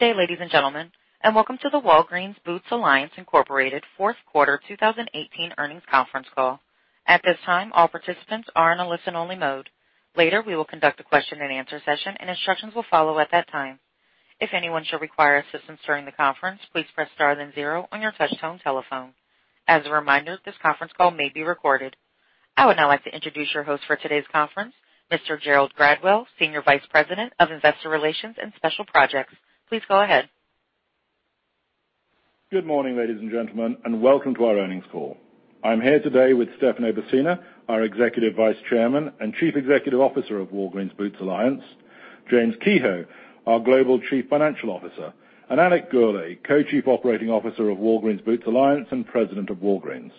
Good day, ladies and gentlemen, and welcome to the Walgreens Boots Alliance Incorporated fourth quarter 2018 earnings conference call. At this time, all participants are in a listen-only mode. Later, we will conduct a question and answer session, and instructions will follow at that time. If anyone should require assistance during the conference, please press star then zero on your touchtone telephone. As a reminder, this conference call may be recorded. I would now like to introduce your host for today's conference, Mr. Gerald Gradwell, Senior Vice President of Investor Relations and Special Projects. Please go ahead. Good morning, ladies and gentlemen, and welcome to our earnings call. I am here today with Stefano Pessina, our Executive Vice Chairman and Chief Executive Officer of Walgreens Boots Alliance, James Kehoe, our Global Chief Financial Officer, and Alexander Gourlay, Co-chief Operating Officer of Walgreens Boots Alliance and President of Walgreens.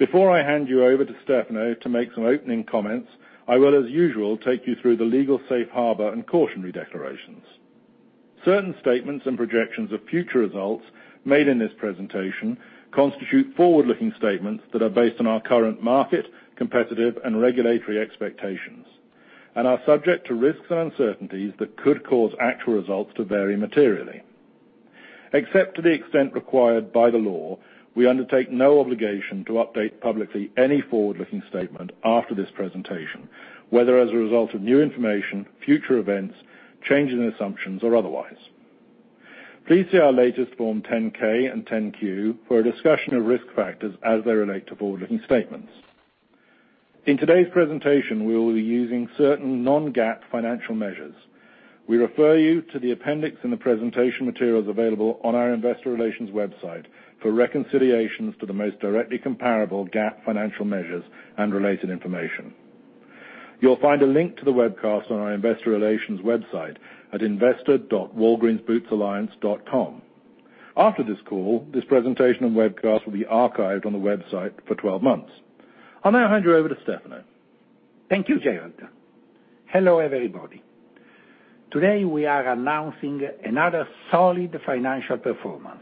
Before I hand you over to Stefano to make some opening comments, I will, as usual, take you through the legal safe harbor and cautionary declarations. Certain statements and projections of future results made in this presentation constitute forward-looking statements that are based on our current market, competitive, and regulatory expectations and are subject to risks and uncertainties that could cause actual results to vary materially. Except to the extent required by the law, we undertake no obligation to update publicly any forward-looking statement after this presentation, whether as a result of new information, future events, change in assumptions, or otherwise. Please see our latest Form 10-K and 10-Q for a discussion of risk factors as they relate to forward-looking statements. In today's presentation, we will be using certain non-GAAP financial measures. We refer you to the appendix in the presentation materials available on our investor relations website for reconciliations to the most directly comparable GAAP financial measures and related information. You will find a link to the webcast on our investor relations website at investor.walgreensbootsalliance.com. After this call, this presentation and webcast will be archived on the website for 12 months. I will now hand you over to Stefano. Thank you, Gerald. Hello, everybody. Today, we are announcing another solid financial performance,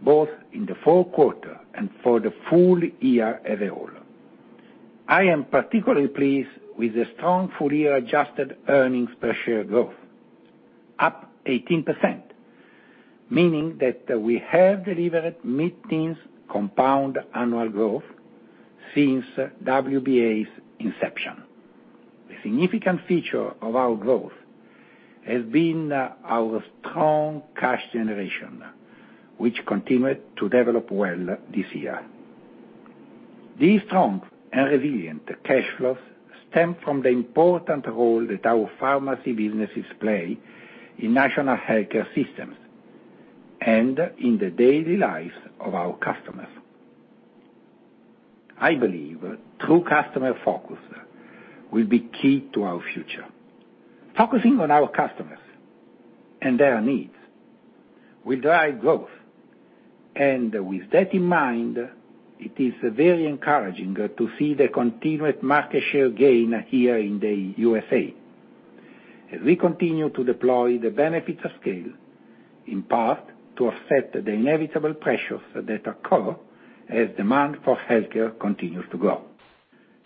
both in the fourth quarter and for the full year overall. I am particularly pleased with the strong full-year adjusted earnings per share growth, up 18%, meaning that we have delivered mid-teens compound annual growth since WBA's inception. The significant feature of our growth has been our strong cash generation, which continued to develop well this year. These strong and resilient cash flows stem from the important role that our pharmacy businesses play in national healthcare systems and in the daily lives of our customers. I believe true customer focus will be key to our future. Focusing on our customers and their needs will drive growth. With that in mind, it is very encouraging to see the continued market share gain here in the USA as we continue to deploy the benefits of scale, in part, to offset the inevitable pressures that occur as demand for healthcare continues to grow.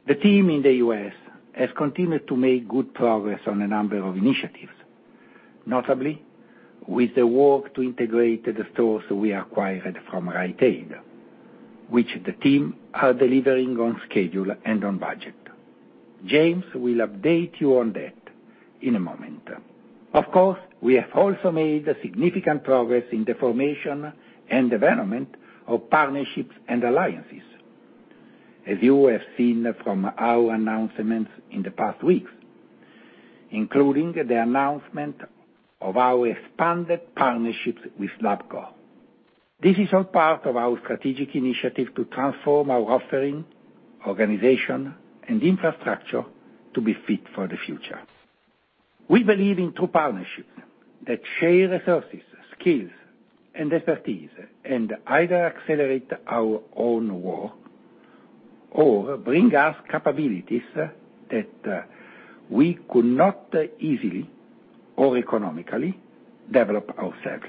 The team in the U.S. has continued to make good progress on a number of initiatives, notably with the work to integrate the stores we acquired from Rite Aid, which the team are delivering on schedule and on budget. James will update you on that in a moment. Of course, we have also made significant progress in the formation and development of partnerships and alliances. As you have seen from our announcements in the past weeks, including the announcement of our expanded partnerships with LabCorp. This is all part of our strategic initiative to transform our offering, organization, and infrastructure to be fit for the future. We believe in true partnerships that share resources, skills, and expertise and either accelerate our own work or bring us capabilities that we could not easily or economically develop ourselves.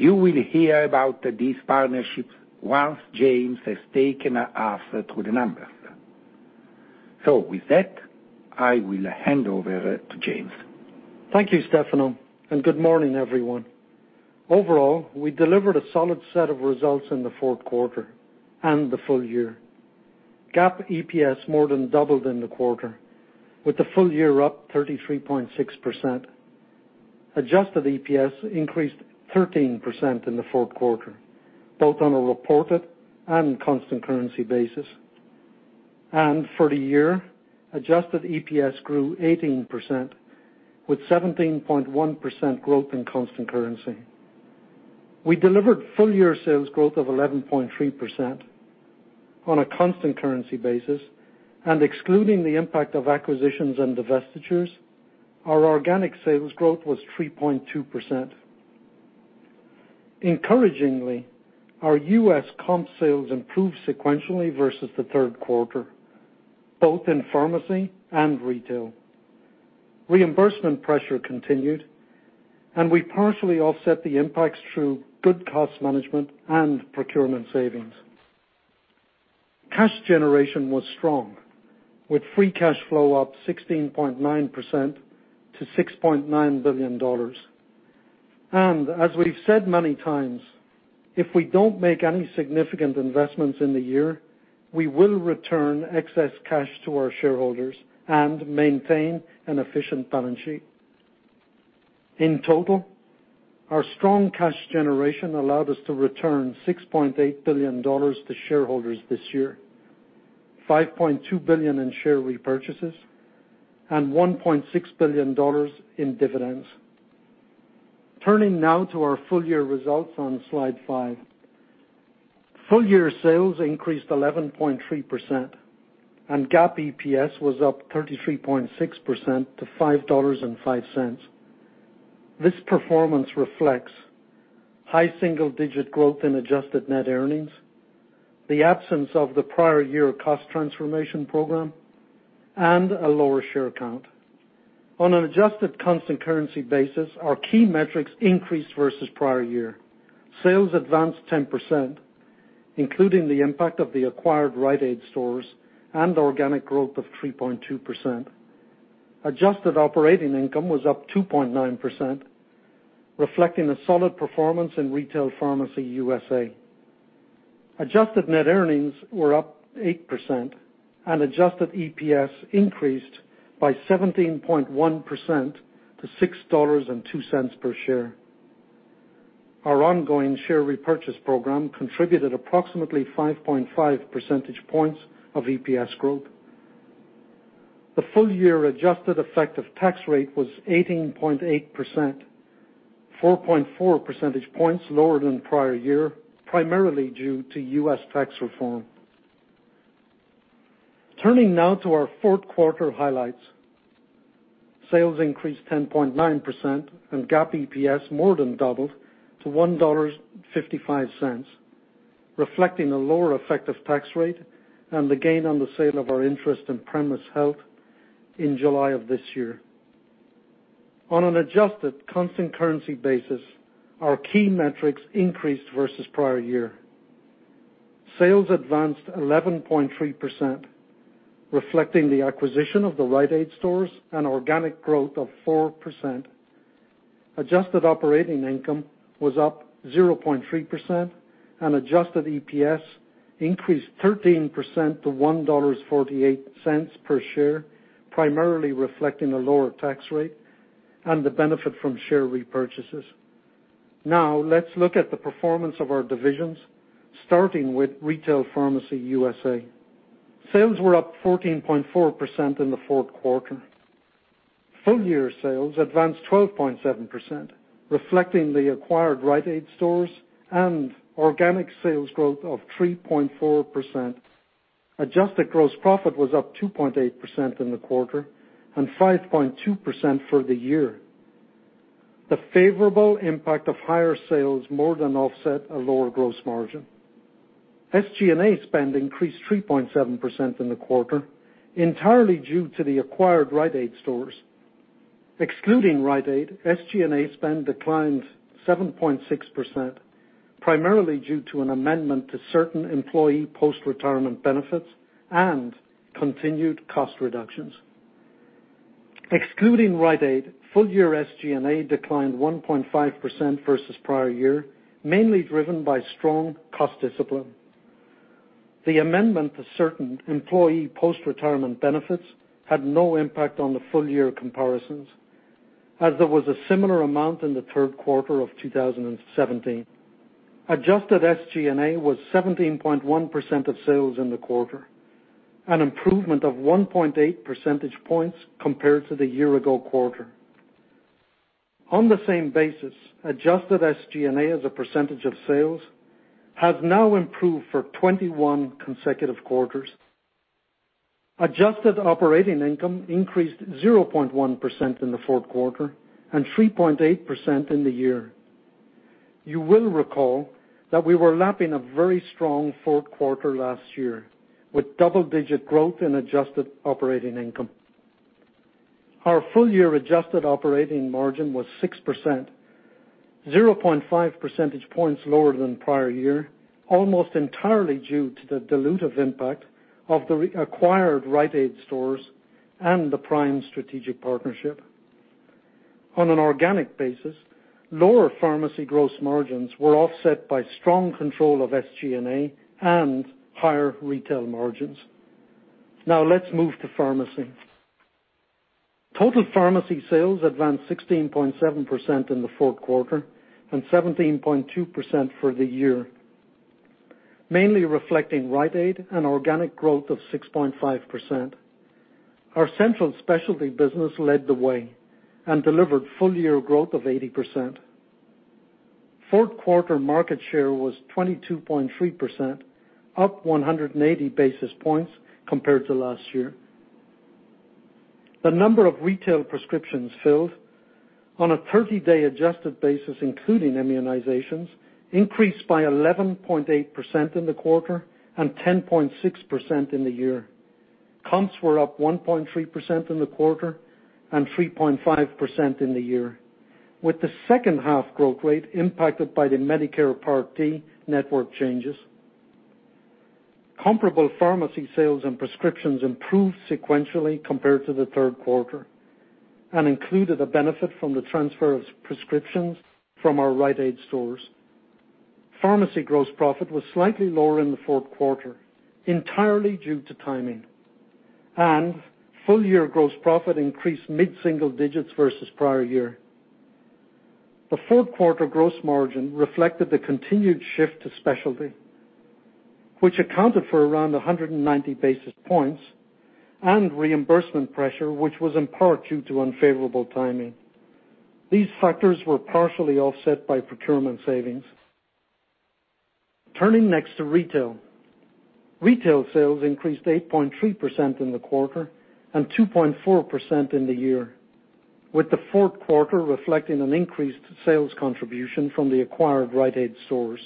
You will hear about these partnerships once James has taken us through the numbers. With that, I will hand over to James. Thank you, Stefano, and good morning, everyone. Overall, we delivered a solid set of results in the fourth quarter and the full year. GAAP EPS more than doubled in the quarter, with the full year up 33.6%. Adjusted EPS increased 13% in the fourth quarter, both on a reported and constant currency basis. For the year, adjusted EPS grew 18% with 17.1% growth in constant currency. We delivered full-year sales growth of 11.3% on a constant currency basis, excluding the impact of acquisitions and divestitures, our organic sales growth was 3.2%. Encouragingly, our U.S. comp sales improved sequentially versus the third quarter, both in pharmacy and retail. Reimbursement pressure continued, we partially offset the impacts through good cost management and procurement savings. Cash generation was strong, with free cash flow up 16.9% to $6.9 billion. As we've said many times, if we don't make any significant investments in the year, we will return excess cash to our shareholders and maintain an efficient balance sheet. In total, our strong cash generation allowed us to return $6.8 billion to shareholders this year, $5.2 billion in share repurchases, and $1.6 billion in dividends. Turning now to our full year results on Slide five. Full year sales increased 11.3%, GAAP EPS was up 33.6% to $5.05. This performance reflects high single-digit growth in adjusted net earnings, the absence of the prior year cost transformation program, and a lower share count. On an adjusted constant currency basis, our key metrics increased versus prior year. Sales advanced 10%, including the impact of the acquired Rite Aid stores and organic growth of 3.2%. Adjusted operating income was up 2.9%, reflecting a solid performance in Retail Pharmacy USA. Adjusted net earnings were up 8%, and adjusted EPS increased by 17.1% to $6.02 per share. Our ongoing share repurchase program contributed approximately 5.5 percentage points of EPS growth. The full-year adjusted effective tax rate was 18.8%, 4.4 percentage points lower than prior year, primarily due to U.S. tax reform. Turning now to our fourth quarter highlights. Sales increased 10.9%, and GAAP EPS more than doubled to $1.55, reflecting a lower effective tax rate and the gain on the sale of our interest in Premise Health in July of this year. On an adjusted constant currency basis, our key metrics increased versus prior year. Sales advanced 11.3%, reflecting the acquisition of the Rite Aid stores and organic growth of 4%. Adjusted operating income was up 0.3%, and adjusted EPS increased 13% to $1.48 per share, primarily reflecting a lower tax rate and the benefit from share repurchases. Now, let's look at the performance of our divisions, starting with Retail Pharmacy USA. Sales were up 14.4% in the fourth quarter. Full year sales advanced 12.7%, reflecting the acquired Rite Aid stores and organic sales growth of 3.4%. Adjusted gross profit was up 2.8% in the quarter and 5.2% for the year. The favorable impact of higher sales more than offset a lower gross margin. SG&A spend increased 3.7% in the quarter, entirely due to the acquired Rite Aid stores. Excluding Rite Aid, SG&A spend declined 7.6%, primarily due to an amendment to certain employee post-retirement benefits and continued cost reductions. Excluding Rite Aid, full-year SG&A declined 1.5% versus prior year, mainly driven by strong cost discipline. The amendment to certain employee post-retirement benefits had no impact on the full year comparisons, as there was a similar amount in the third quarter of 2017. Adjusted SG&A was 17.1% of sales in the quarter, an improvement of 1.8 percentage points compared to the year ago quarter. On the same basis, adjusted SG&A as a percentage of sales has now improved for 21 consecutive quarters. Adjusted operating income increased 0.1% in the fourth quarter and 3.8% in the year. You will recall that we were lapping a very strong fourth quarter last year with double-digit growth in adjusted operating income. Our full-year adjusted operating margin was 6%, 0.5 percentage points lower than prior year, almost entirely due to the dilutive impact of the acquired Rite Aid stores and the Prime strategic partnership. On an organic basis, lower pharmacy gross margins were offset by strong control of SG&A and higher retail margins. Now let's move to pharmacy. Total pharmacy sales advanced 16.7% in the fourth quarter and 17.2% for the year, mainly reflecting Rite Aid and organic growth of 6.5%. Our central specialty business led the way and delivered full-year growth of 80%. Fourth quarter market share was 22.3%, up 180 basis points compared to last year. The number of retail prescriptions filled on a 30-day adjusted basis, including immunizations, increased by 11.8% in the quarter and 10.6% in the year. Comps were up 1.3% in the quarter and 3.5% in the year, with the second half growth rate impacted by the Medicare Part D network changes. Comparable pharmacy sales and prescriptions improved sequentially compared to the third quarter and included a benefit from the transfer of prescriptions from our Rite Aid stores. Pharmacy gross profit was slightly lower in the fourth quarter, entirely due to timing. Full-year gross profit increased mid-single digits versus prior year. The fourth quarter gross margin reflected the continued shift to specialty, which accounted for around 190 basis points, and reimbursement pressure, which was in part due to unfavorable timing. These factors were partially offset by procurement savings. Turning next to retail. Retail sales increased 8.3% in the quarter and 2.4% in the year, with the fourth quarter reflecting an increased sales contribution from the acquired Rite Aid stores.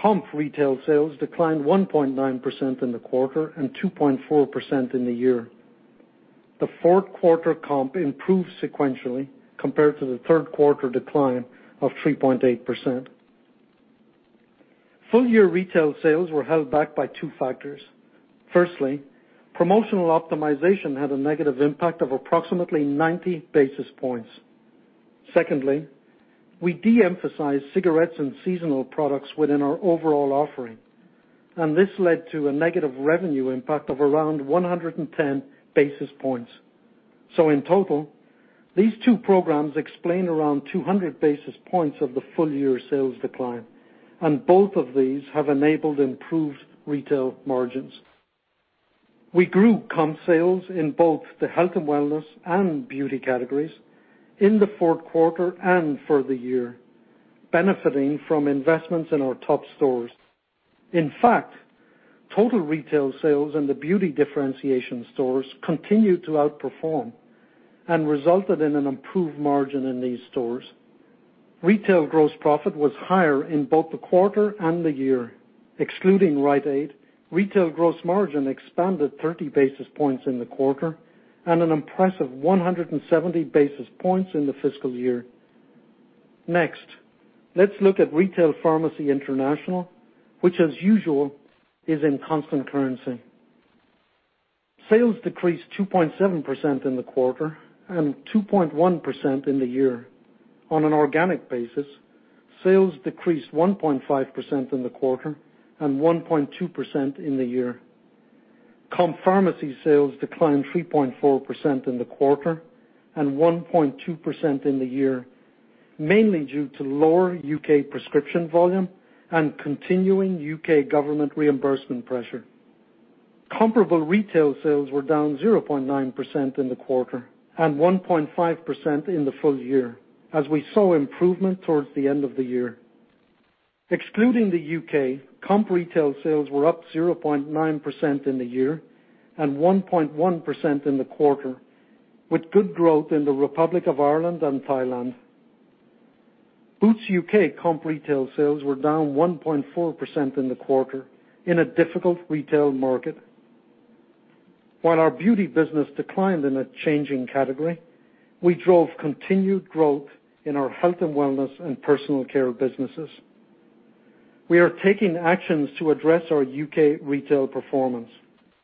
Comp retail sales declined 1.9% in the quarter and 2.4% in the year. The fourth quarter comp improved sequentially compared to the third quarter decline of 3.8%. Full-year retail sales were held back by two factors. Firstly, promotional optimization had a negative impact of approximately 90 basis points. Secondly, we de-emphasized cigarettes and seasonal products within our overall offering, and this led to a negative revenue impact of around 110 basis points. In total, these two programs explain around 200 basis points of the full-year sales decline, and both of these have enabled improved retail margins. We grew comp sales in both the health and wellness and beauty categories in the fourth quarter and for the year, benefiting from investments in our top stores. In fact, total retail sales in the beauty differentiation stores continued to outperform and resulted in an improved margin in these stores. Retail gross profit was higher in both the quarter and the year. Excluding Rite Aid, retail gross margin expanded 30 basis points in the quarter, and an impressive 170 basis points in the fiscal year. Next, let's look at retail pharmacy international, which as usual, is in constant currency. Sales decreased 2.7% in the quarter and 2.1% in the year. On an organic basis, sales decreased 1.5% in the quarter and 1.2% in the year. Comp pharmacy sales declined 3.4% in the quarter and 1.2% in the year, mainly due to lower U.K. prescription volume and continuing U.K. government reimbursement pressure. Comparable retail sales were down 0.9% in the quarter and 1.5% in the full year, as we saw improvement towards the end of the year. Excluding the U.K., comp retail sales were up 0.9% in the year and 1.1% in the quarter, with good growth in the Republic of Ireland and Thailand. Boots U.K. comp retail sales were down 1.4% in the quarter in a difficult retail market. While our beauty business declined in a changing category, we drove continued growth in our health and wellness and personal care businesses. We are taking actions to address our U.K. retail performance.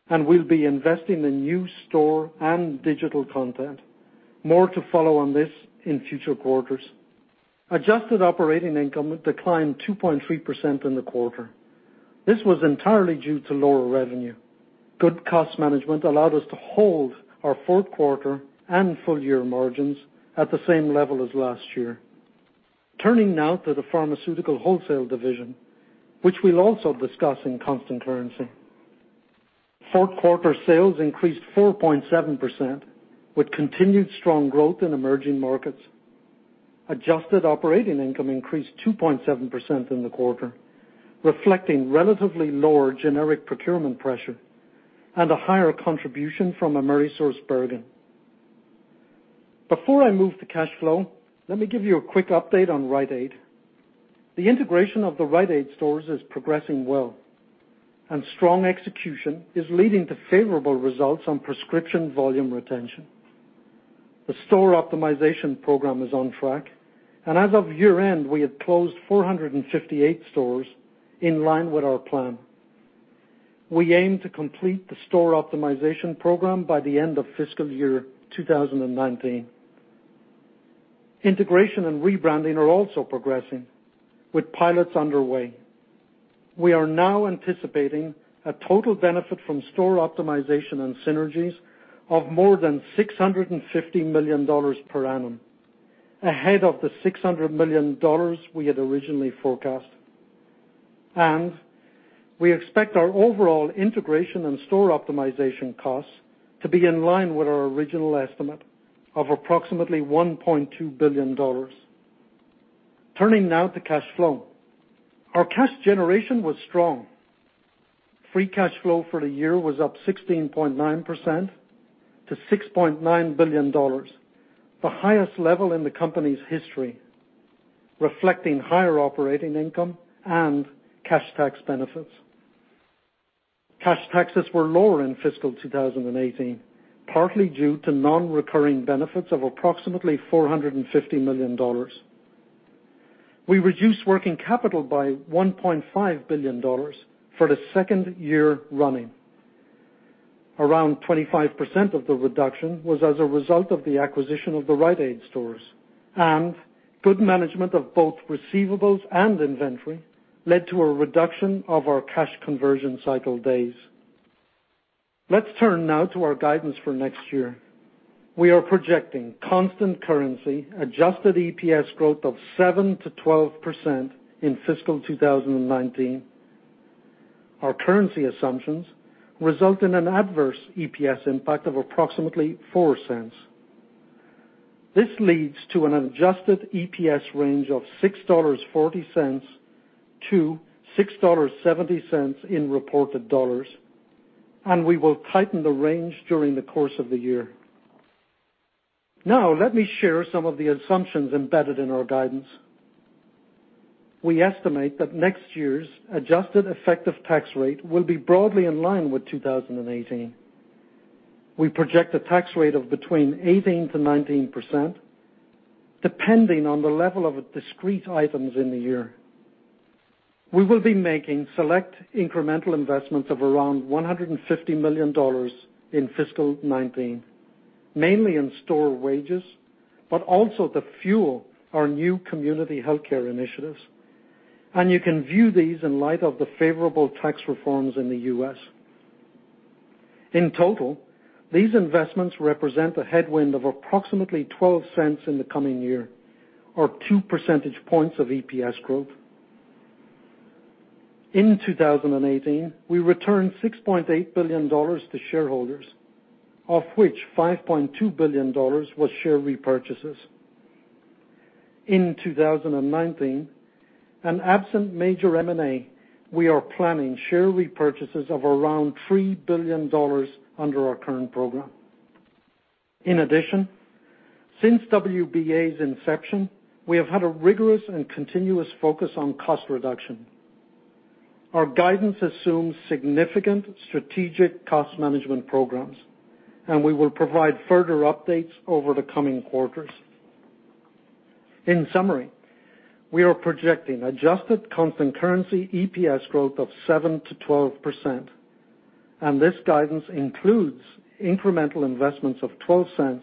We'll be investing in new store and digital content. More to follow on this in future quarters. Adjusted operating income declined 2.3% in the quarter. This was entirely due to lower revenue. Good cost management allowed us to hold our fourth quarter and full-year margins at the same level as last year. Turning now to the pharmaceutical wholesale division, which we'll also discuss in constant currency. Fourth quarter sales increased 4.7%, with continued strong growth in emerging markets. Adjusted operating income increased 2.7% in the quarter, reflecting relatively lower generic procurement pressure and a higher contribution from AmerisourceBergen. Before I move to cash flow, let me give you a quick update on Rite Aid. The integration of the Rite Aid stores is progressing well, and strong execution is leading to favorable results on prescription volume retention. The store optimization program is on track. As of year-end, we had closed 458 stores, in line with our plan. We aim to complete the store optimization program by the end of fiscal year 2019. Integration and rebranding are also progressing, with pilots underway. We are now anticipating a total benefit from store optimization and synergies of more than $650 million per annum, ahead of the $600 million we had originally forecast. We expect our overall integration and store optimization costs to be in line with our original estimate of approximately $1.2 billion. Turning now to cash flow. Our cash generation was strong. Free cash flow for the year was up 16.9% to $6.9 billion, the highest level in the company's history, reflecting higher operating income and cash tax benefits. Cash taxes were lower in fiscal 2018, partly due to non-recurring benefits of approximately $450 million. We reduced working capital by $1.5 billion for the second year running. Around 25% of the reduction was as a result of the acquisition of the Rite Aid stores. Good management of both receivables and inventory led to a reduction of our cash conversion cycle days. Let's turn now to our guidance for next year. We are projecting constant currency adjusted EPS growth of 7%-12% in fiscal 2019. Our currency assumptions result in an adverse EPS impact of approximately $0.04. This leads to an adjusted EPS range of $6.40-$6.70 in reported dollars. We will tighten the range during the course of the year. Let me share some of the assumptions embedded in our guidance. We estimate that next year's adjusted effective tax rate will be broadly in line with 2018. We project a tax rate of between 18%-19%, depending on the level of discrete items in the year. We will be making select incremental investments of around $150 million in fiscal 2019, mainly in store wages, but also to fuel our new community healthcare initiatives. You can view these in light of the favorable tax reforms in the U.S. In total, these investments represent a headwind of approximately $0.12 in the coming year or two percentage points of EPS growth. In 2018, we returned $6.8 billion to shareholders, of which $5.2 billion was share repurchases. In 2019, absent major M&A, we are planning share repurchases of around $3 billion under our current program. In addition, since WBA's inception, we have had a rigorous and continuous focus on cost reduction. Our guidance assumes significant strategic cost management programs. We will provide further updates over the coming quarters. In summary, we are projecting adjusted constant currency EPS growth of 7%-12%. This guidance includes incremental investments of $0.12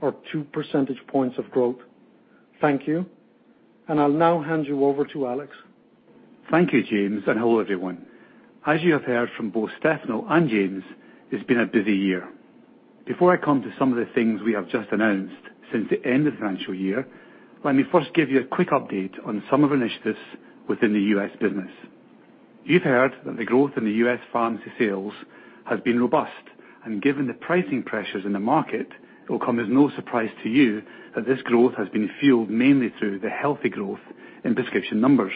or two percentage points of growth. Thank you. I'll now hand you over to Alex. Thank you, James, and hello, everyone. As you have heard from both Stefano and James, it's been a busy year. Before I come to some of the things we have just announced since the end of the financial year, let me first give you a quick update on some of our initiatives within the U.S. business. You've heard that the growth in the U.S. pharmacy sales has been robust, and given the pricing pressures in the market, it will come as no surprise to you that this growth has been fueled mainly through the healthy growth in prescription numbers.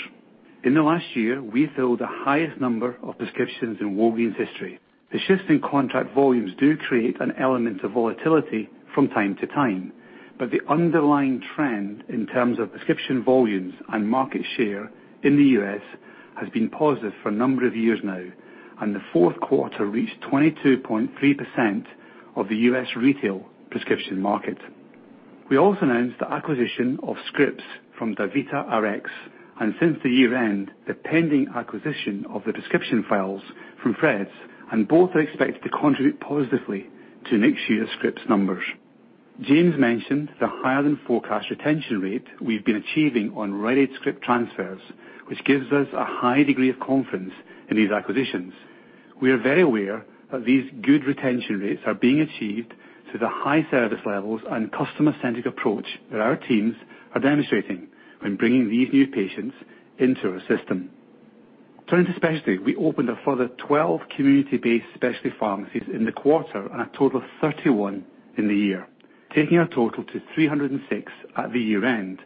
In the last year, we filled the highest number of prescriptions in Walgreens history. The shift in contract volumes do create an element of volatility from time to time, but the underlying trend in terms of prescription volumes and market share in the U.S. has been positive for a number of years now, and the fourth quarter reached 22.3% of the U.S. retail prescription market. We also announced the acquisition of scripts from DaVita Rx, and since the year-end, the pending acquisition of the prescription files from Fred's, and both are expected to contribute positively to next year's scripts numbers. James mentioned the higher than forecast retention rate we've been achieving on Rite Aid script transfers, which gives us a high degree of confidence in these acquisitions. We are very aware that these good retention rates are being achieved through the high service levels and customer-centric approach that our teams are demonstrating when bringing these new patients into our system. Turning to specialty, we opened a further 12 community-based specialty pharmacies in the quarter and a total of 31 in the year, taking our total to 306 at the year-end,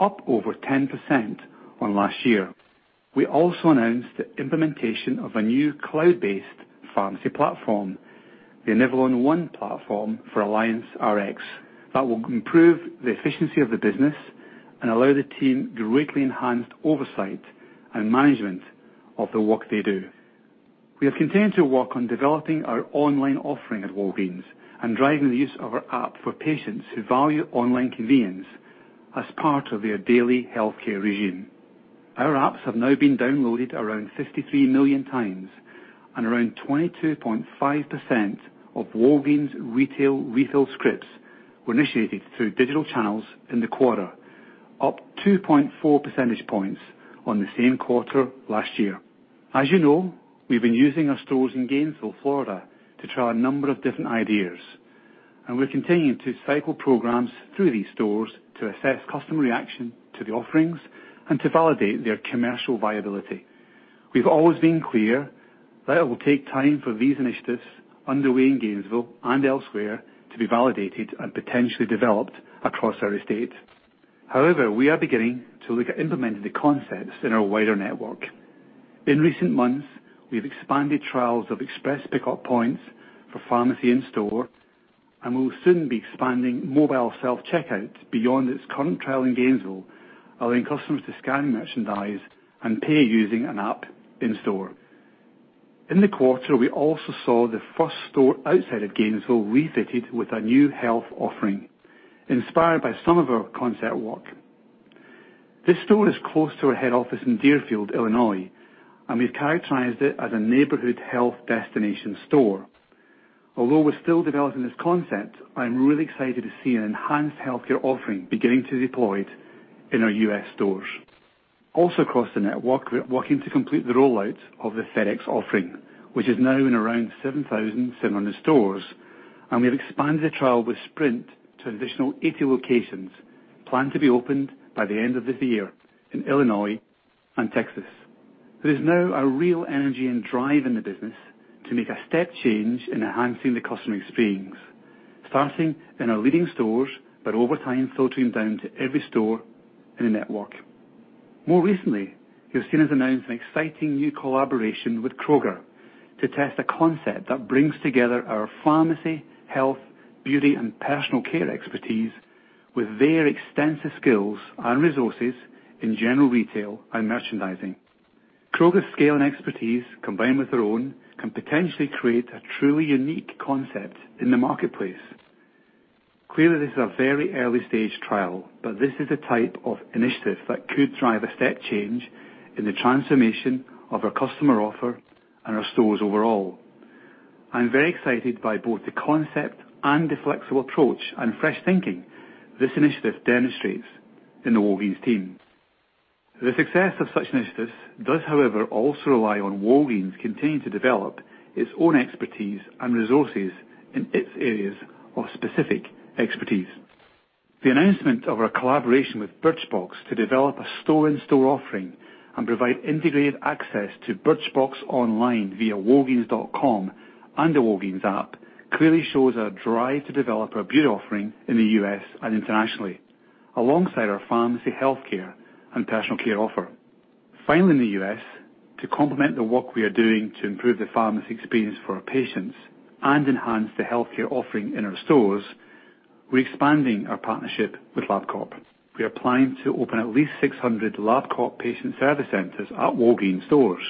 up over 10% on last year. We also announced the implementation of a new cloud-based pharmacy platform, the NimbleRx platform for AllianceRx. That will improve the efficiency of the business and allow the team greatly enhanced oversight and management of the work they do. We have continued to work on developing our online offering at Walgreens and driving the use of our app for patients who value online convenience as part of their daily healthcare regime. Our apps have now been downloaded around 53 million times, and around 22.5% of Walgreens retail refill scripts were initiated through digital channels in the quarter, up 2.4 percentage points on the same quarter last year. As you know, we've been using our stores in Gainesville, Florida, to try a number of different ideas, and we're continuing to cycle programs through these stores to assess customer reaction to the offerings and to validate their commercial viability. We've always been clear that it will take time for these initiatives underway in Gainesville and elsewhere to be validated and potentially developed across our estate. However, we are beginning to look at implementing the concepts in our wider network. In recent months, we have expanded trials of express pickup points for pharmacy in store, and we will soon be expanding mobile self-checkout beyond its current trial in Gainesville, allowing customers to scan merchandise and pay using an app in-store. In the quarter, we also saw the first store outside of Gainesville refitted with a new health offering, inspired by some of our concept work. This store is close to our head office in Deerfield, Illinois, and we've characterized it as a neighborhood health destination store. Although we're still developing this concept, I'm really excited to see an enhanced healthcare offering beginning to be deployed in our U.S. stores. Also across the network, we're working to complete the rollout of the FedEx offering, which is now in around 7,700 stores, and we have expanded the trial with Sprint to an additional 80 locations planned to be opened by the end of this year in Illinois and Texas. There is now a real energy and drive in the business to make a step change in enhancing the customer experience, starting in our leading stores, but over time, filtering down to every store in the network. More recently, you've seen us announce an exciting new collaboration with Kroger to test a concept that brings together our pharmacy, health, beauty, and personal care expertise with their extensive skills and resources in general retail and merchandising. Kroger's scale and expertise, combined with their own, can potentially create a truly unique concept in the marketplace. Clearly, this is a very early-stage trial, but this is the type of initiative that could drive a step change in the transformation of our customer offer and our stores overall. I'm very excited by both the concept and the flexible approach and fresh thinking this initiative demonstrates in the Walgreens team. The success of such initiatives does, however, also rely on Walgreens continuing to develop its own expertise and resources in its areas of specific expertise. The announcement of our collaboration with Birchbox to develop a store-in-store offering and provide integrated access to Birchbox online via walgreens.com and the Walgreens app clearly shows our drive to develop our beauty offering in the U.S. and internationally alongside our pharmacy healthcare and personal care offer. Finally in the U.S., to complement the work we are doing to improve the pharmacy experience for our patients and enhance the healthcare offering in our stores, we're expanding our partnership with LabCorp. We are planning to open at least 600 LabCorp patient service centers at Walgreens stores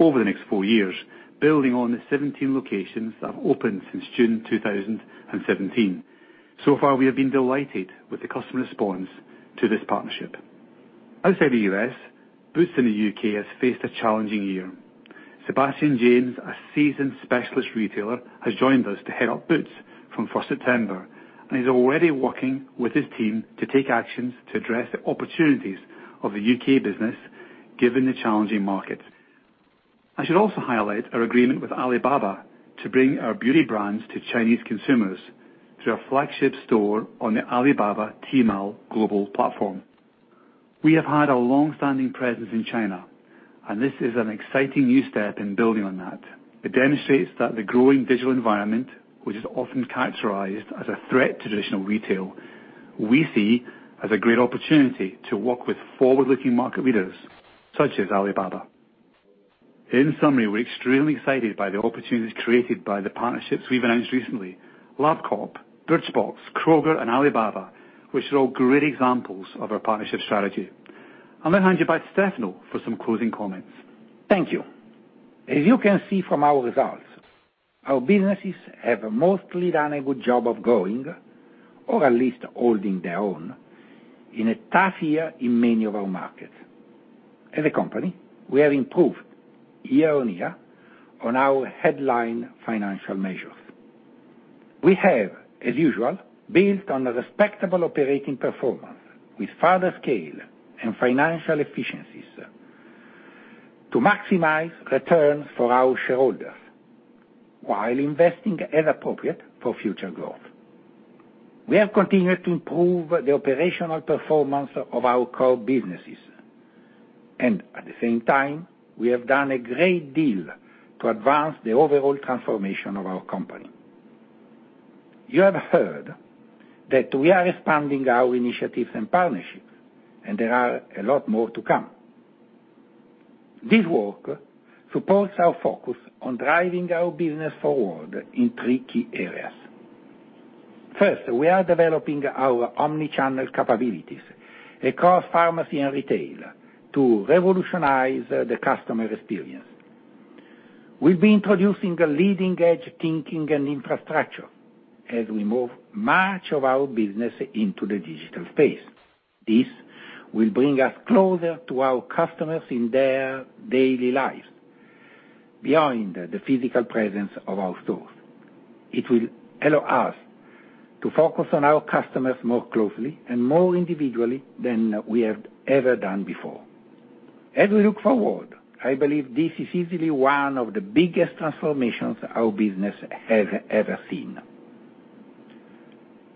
over the next four years, building on the 17 locations that have opened since June 2017. So far, we have been delighted with the customer response to this partnership. Outside the U.S., Boots in the U.K. has faced a challenging year. Sebastian James, a seasoned specialist retailer, has joined us to head up Boots from September 1st, and he's already working with his team to take actions to address the opportunities of the U.K. business, given the challenging market. I should also highlight our agreement with Alibaba to bring our beauty brands to Chinese consumers through our flagship store on the Alibaba Tmall global platform. We have had a long-standing presence in China, and this is an exciting new step in building on that. It demonstrates that the growing digital environment, which is often characterized as a threat to traditional retail, we see as a great opportunity to work with forward-looking market leaders such as Alibaba. In summary, we're extremely excited by the opportunities created by the partnerships we've announced recently, LabCorp, Birchbox, Kroger, and Alibaba, which are all great examples of our partnership strategy. I'll now hand you back to Stefano for some closing comments. Thank you. As you can see from our results, our businesses have mostly done a good job of growing, or at least holding their own, in a tough year in many of our markets. As a company, we have improved year-over-year on our headline financial measures. We have, as usual, built on a respectable operating performance with further scale and financial efficiencies to maximize returns for our shareholders while investing as appropriate for future growth. We have continued to improve the operational performance of our core businesses, at the same time, we have done a great deal to advance the overall transformation of our company. You have heard that we are expanding our initiatives and partnerships, there are a lot more to come. This work supports our focus on driving our business forward in three key areas. First, we are developing our omnichannel capabilities across pharmacy and retail to revolutionize the customer experience. We've been introducing a leading-edge thinking and infrastructure as we move much of our business into the digital space. This will bring us closer to our customers in their daily lives, beyond the physical presence of our stores. It will allow us to focus on our customers more closely and more individually than we have ever done before. As we look forward, I believe this is easily one of the biggest transformations our business has ever seen.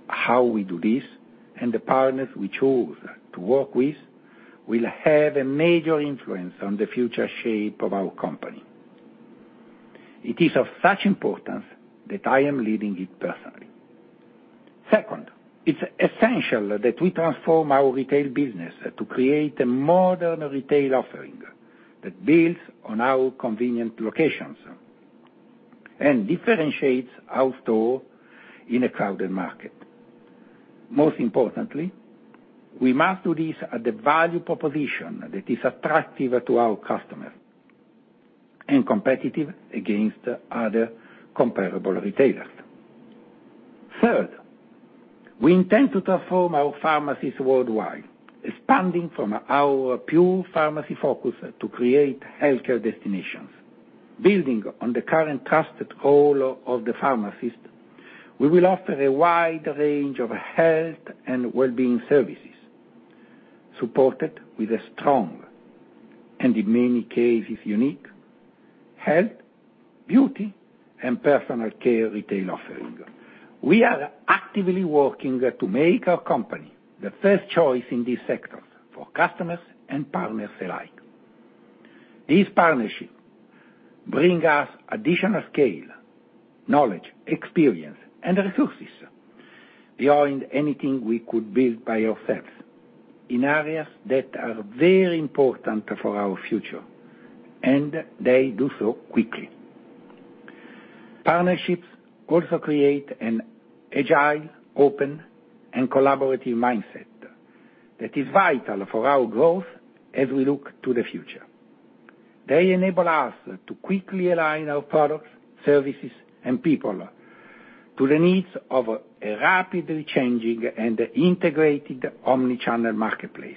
How we do this and the partners we choose to work with will have a major influence on the future shape of our company. It is of such importance that I am leading it personally. Second, it's essential that we transform our retail business to create a modern retail offering that builds on our convenient locations and differentiates our store in a crowded market. Most importantly, we must do this at a value proposition that is attractive to our customers and competitive against other comparable retailers. Third, we intend to transform our pharmacies worldwide, expanding from our pure pharmacy focus to create healthcare destinations. Building on the current trusted role of the pharmacist, we will offer a wide range of health and wellbeing services supported with a strong, and in many cases, unique health, beauty and personal care retail offering. We are actively working to make our company the first choice in these sectors for customers and partners alike. These partnerships bring us additional scale, knowledge, experience, and resources beyond anything we could build by ourselves in areas that are very important for our future, and they do so quickly. Partnerships also create an agile, open, and collaborative mindset that is vital for our growth as we look to the future. They enable us to quickly align our products, services, and people to the needs of a rapidly changing and integrated omnichannel marketplace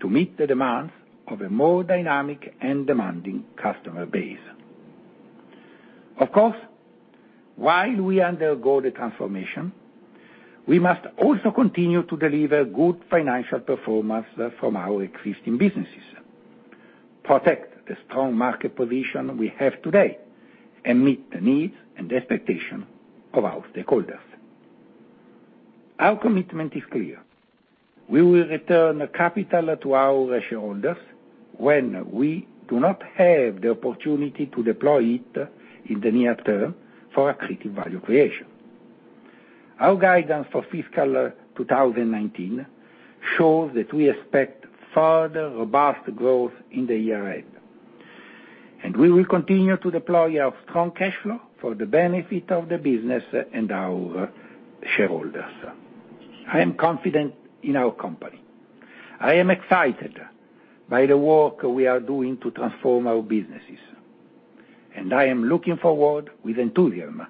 to meet the demands of a more dynamic and demanding customer base. Of course, while we undergo the transformation, we must also continue to deliver good financial performance from our existing businesses, protect the strong market position we have today, and meet the needs and expectation of our stakeholders. Our commitment is clear. We will return capital to our shareholders when we do not have the opportunity to deploy it in the near term for accretive value creation. Our guidance for fiscal 2019 shows that we expect further robust growth in the year ahead. We will continue to deploy our strong cash flow for the benefit of the business and our shareholders. I am confident in our company. I am excited by the work we are doing to transform our businesses. I am looking forward with enthusiasm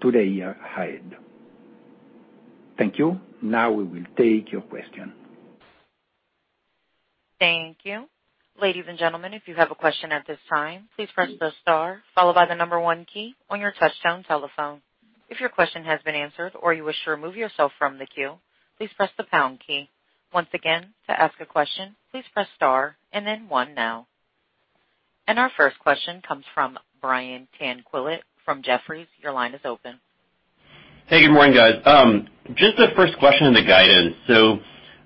to the year ahead. Thank you. Now we will take your question. Thank you. Ladies and gentlemen, if you have a question at this time, please press the star followed by the number 1 key on your touchtone telephone. If your question has been answered or you wish to remove yourself from the queue, please press the pound key. Once again, to ask a question, please press star and then one now. Our first question comes from Brian Tanquilut from Jefferies, your line is open. Hey, good morning, guys. Just a first question on the guidance.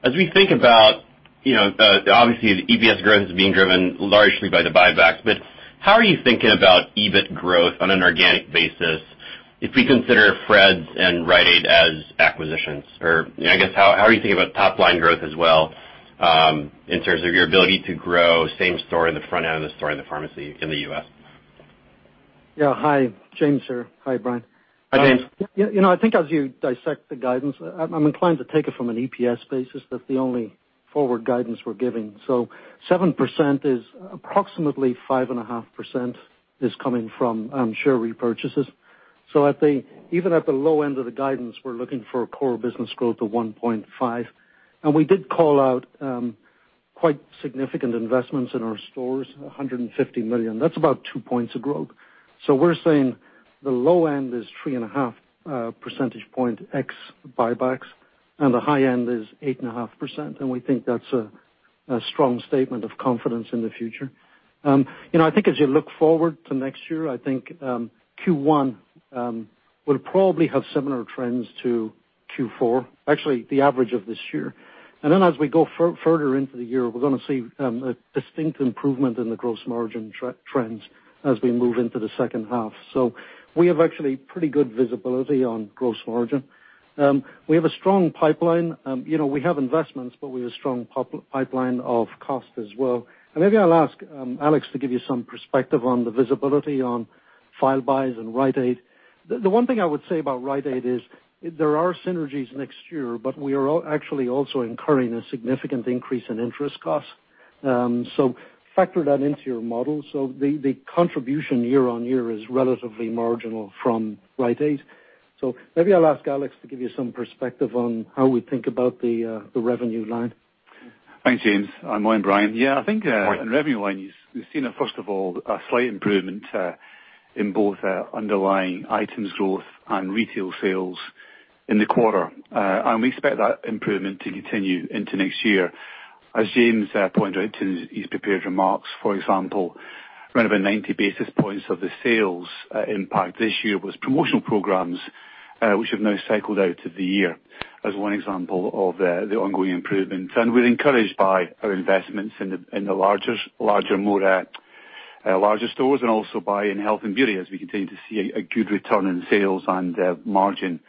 As we think about, obviously, the EPS growth is being driven largely by the buybacks, but how are you thinking about EBIT growth on an organic basis if we consider Fred's and Rite Aid as acquisitions? I guess, how are you thinking about top-line growth as well, in terms of your ability to grow same store in the front end of the store in the pharmacy in the U.S.? Yeah. Hi, James here. Hi, Brian. Hi, James. I think as you dissect the guidance, I'm inclined to take it from an EPS basis. That's the only forward guidance we're giving. 7% is approximately 5.5% is coming from share repurchases. I think even at the low end of the guidance, we're looking for core business growth of 1.5. We did call out quite significant investments in our stores, $150 million. That's about two points of growth. We're saying the low end is 3.5 percentage point ex-buybacks, and the high end is 8.5%, and we think that's a strong statement of confidence in the future. I think as you look forward to next year, I think Q1 will probably have similar trends to Q4, actually the average of this year. Then as we go further into the year, we're going to see a distinct improvement in the gross margin trends as we move into the second half. We have actually pretty good visibility on gross margin. We have a strong pipeline. We have investments, but we have a strong pipeline of cost as well. Maybe I'll ask Alex to give you some perspective on the visibility on File buys and Rite Aid. The one thing I would say about Rite Aid is there are synergies next year, but we are actually also incurring a significant increase in interest costs. Factor that into your model. The contribution year-on-year is relatively marginal from Rite Aid. Maybe I'll ask Alex to give you some perspective on how we think about the revenue line. Thanks, James Kehoe. Morning, Brian Tanquilut. Morning in revenue line, you've seen, first of all, a slight improvement in both underlying items growth and retail sales in the quarter. We expect that improvement to continue into next year. As James Kehoe pointed out in his prepared remarks, for example, around about 90 basis points of the sales impact this year was promotional programs which have now cycled out of the year as one example of the ongoing improvements. We're encouraged by our investments in the larger stores and also by in health and beauty, as we continue to see a good return in sales and margin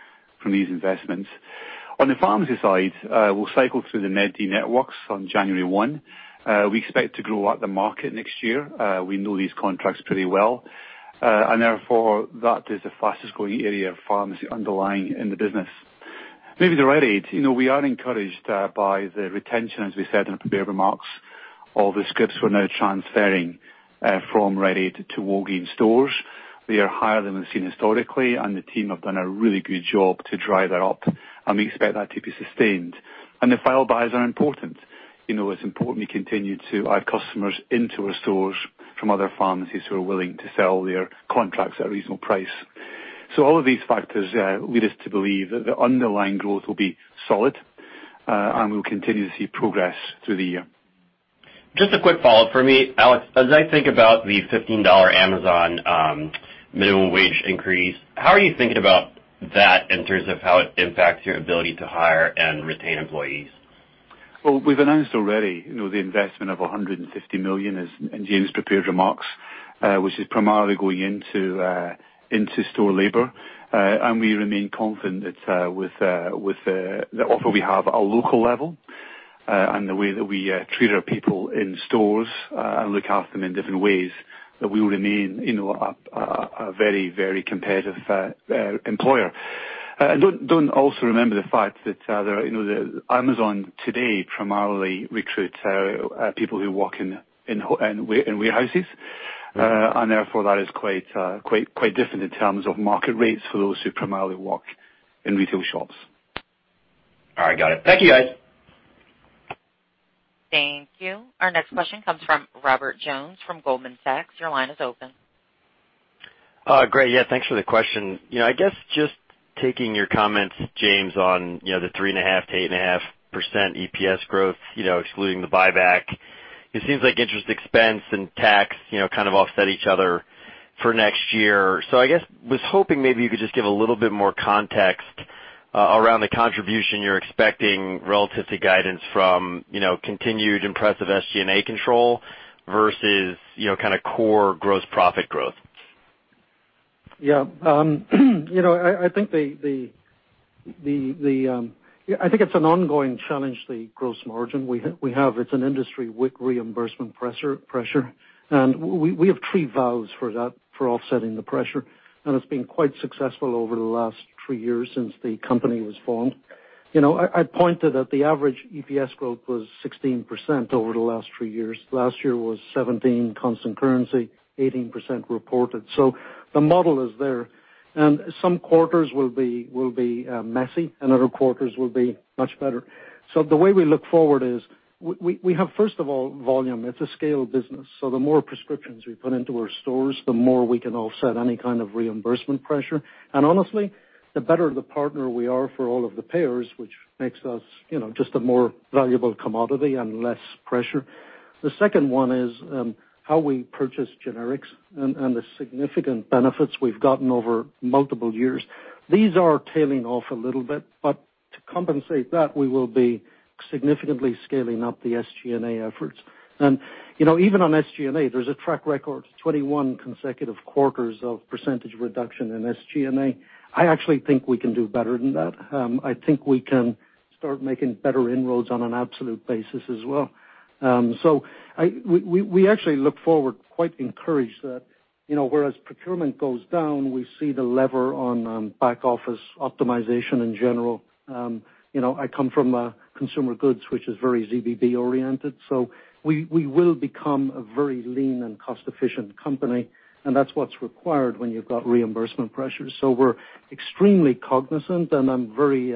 from these investments. On the pharmacy side, we'll cycle through the Med D networks on January 1. We expect to grow at the market next year. We know these contracts pretty well. Therefore that is the fastest-growing area of pharmacy underlying in the business. Maybe the Rite Aid. We are encouraged by the retention, as we said in the prepared remarks, all the scripts we're now transferring from Rite Aid to Walgreens stores. They are higher than we've seen historically, the team have done a really good job to drive that up, we expect that to be sustained. The file buyers are important. It's important we continue to add customers into our stores from other pharmacies who are willing to sell their contracts at a reasonable price. All of these factors lead us to believe that the underlying growth will be solid, we'll continue to see progress through the year. Just a quick follow-up from me, Alex. As I think about the $15 Amazon minimum wage increase, how are you thinking about that in terms of how it impacts your ability to hire and retain employees? Well, we've announced already the investment of $150 million in James' prepared remarks, which is primarily going into store labor. We remain confident that with the offer we have at a local level, and the way that we treat our people in stores and look after them in different ways, that we will remain a very competitive employer. Don't also remember the fact that Amazon today primarily recruits people who work in warehouses. Therefore that is quite different in terms of market rates for those who primarily work in retail shops. All right. Got it. Thank you, guys. Thank you. Our next question comes from Robert Jones from Goldman Sachs. Your line is open. Great. Yeah, thanks for the question. I guess just taking your comments, James, on the 3.5%-8.5% EPS growth excluding the buyback. It seems like interest expense and tax kind of offset each other for next year. I guess, was hoping maybe you could just give a little bit more context around the contribution you're expecting relative to guidance from continued impressive SG&A control versus kind of core gross profit growth. Yeah. I think it's an ongoing challenge, the gross margin. It's an industry WIC reimbursement pressure. We have 3 valves for that, for offsetting the pressure, and it's been quite successful over the last 3 years since the company was formed. I pointed that the average EPS growth was 16% over the last 3 years. Last year was 17% constant currency, 18% reported. The model is there. Some quarters will be messy and other quarters will be much better. The way we look forward is we have, first of all, volume. It's a scale business, so the more prescriptions we put into our stores, the more we can offset any kind of reimbursement pressure. Honestly, the better the partner we are for all of the payers, which makes us just a more valuable commodity and less pressure. The second one is how we purchase generics and the significant benefits we've gotten over multiple years. These are tailing off a little bit, but to compensate that, we will be significantly scaling up the SG&A efforts. Even on SG&A, there's a track record, 21 consecutive quarters of percentage reduction in SG&A. I actually think we can do better than that. I think we can start making better inroads on an absolute basis as well. We actually look forward quite encouraged that whereas procurement goes down, we see the lever on back office optimization in general. I come from consumer goods, which is very ZBB oriented, so we will become a very lean and cost-efficient company, and that's what's required when you've got reimbursement pressures. We're extremely cognizant, and I'm very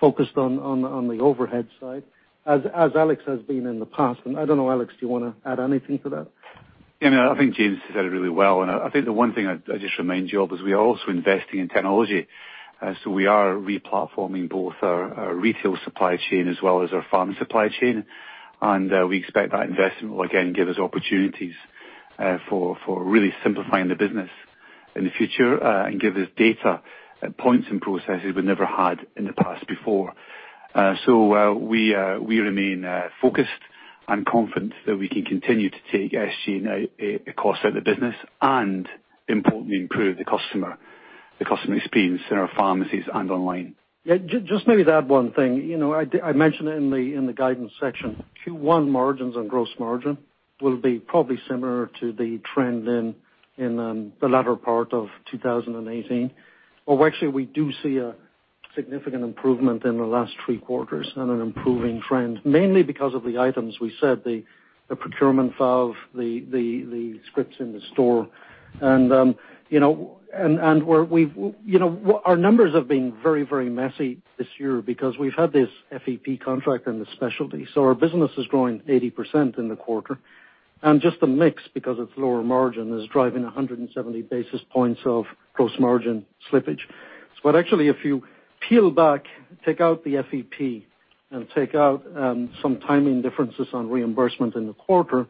focused on the overhead side, as Alex has been in the past. I don't know, Alex, do you want to add anything to that? Yeah, no. I think James said it really well. I think the one thing I'd just remind you of is we are also investing in technology. We are re-platforming both our retail supply chain as well as our pharmacy supply chain. We expect that investment will again give us opportunities for really simplifying the business in the future and give us data points and processes we never had in the past before. We remain focused and confident that we can continue to take SG&A cost out the business and importantly improve the customer experience in our pharmacies and online. Just maybe to add one thing. I mentioned it in the guidance section. Q1 margins and gross margin will be probably similar to the trend in the latter part of 2018. Actually, we do see a significant improvement in the last three quarters and an improving trend, mainly because of the items we said, the procurement value, the scripts in the store. Our numbers have been very messy this year because we've had this FEP contract and the specialty. Our business is growing 80% in the quarter. Just the mix, because it's lower margin, is driving 170 basis points of gross margin slippage. Actually, if you Peel back, take out the FEP and take out some timing differences on reimbursement in the quarter.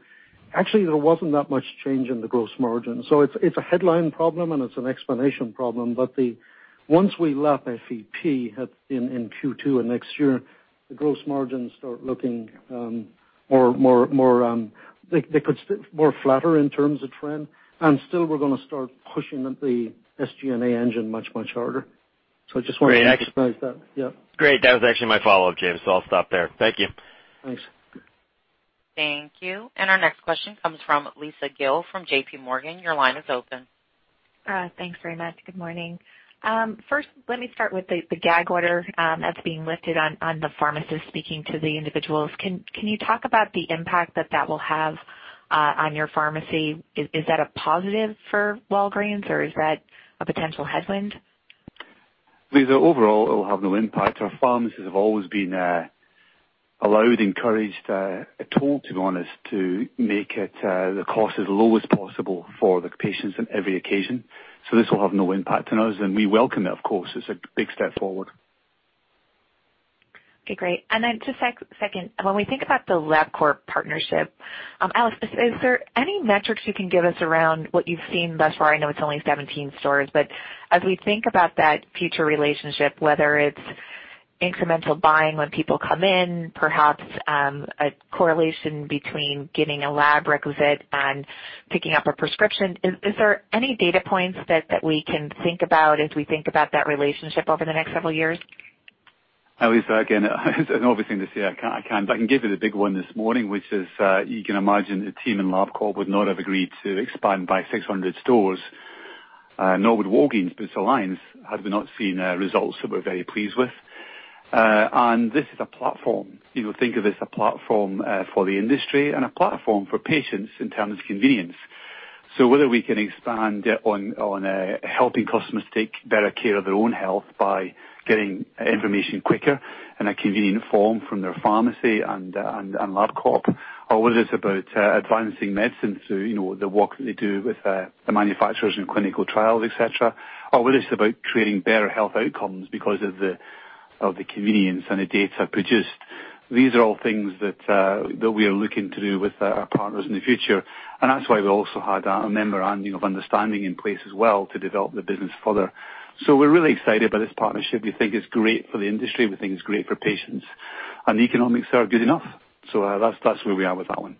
Actually, there wasn't that much change in the gross margin. It's a headline problem and it's an explanation problem. Once we lap FEP in Q2 and next year, the gross margins start looking more flatter in terms of trend. Still we're going to start pushing the SG&A engine much, much harder. I just want to emphasize that. Yeah. Great. That was actually my follow-up, James. I'll stop there. Thank you. Thanks. Thank you. Our next question comes from Lisa Gill from JPMorgan. Your line is open. Thanks very much. Good morning. First, let me start with the gag order that's being lifted on the pharmacist speaking to the individuals. Can you talk about the impact that that will have on your pharmacy? Is that a positive for Walgreens or is that a potential headwind? Lisa, overall, it will have no impact. Our pharmacists have always been allowed, encouraged, told, to be honest, to make the cost as low as possible for the patients on every occasion. This will have no impact on us and we welcome it, of course. It's a big step forward. Okay, great. Just second, when we think about the LabCorp partnership, Alex, is there any metrics you can give us around what you've seen thus far? I know it's only 17 stores, but as we think about that future relationship, whether it's incremental buying when people come in, perhaps, a correlation between getting a lab requisite and picking up a prescription, is there any data points that we can think about as we think about that relationship over the next several years? Lisa, again, it's an obvious thing to say I can't. I can give you the big one this morning, which is, you can imagine the team in LabCorp would not have agreed to expand by 600 stores, nor would Walgreens Boots Alliance, had we not seen results that we're very pleased with. This is a platform. Think of it as a platform for the industry and a platform for patients in terms of convenience. Whether we can expand on helping customers take better care of their own health by getting information quicker in a convenient form from their pharmacy and LabCorp, or whether it's about advancing medicine, so the work that they do with the manufacturers in clinical trials, et cetera, or whether it's about creating better health outcomes because of the convenience and the data produced. These are all things that we are looking to do with our partners in the future. That's why we also had a memorandum of understanding in place as well to develop the business further. We're really excited about this partnership. We think it's great for the industry. We think it's great for patients. The economics are good enough. That's where we are with that one.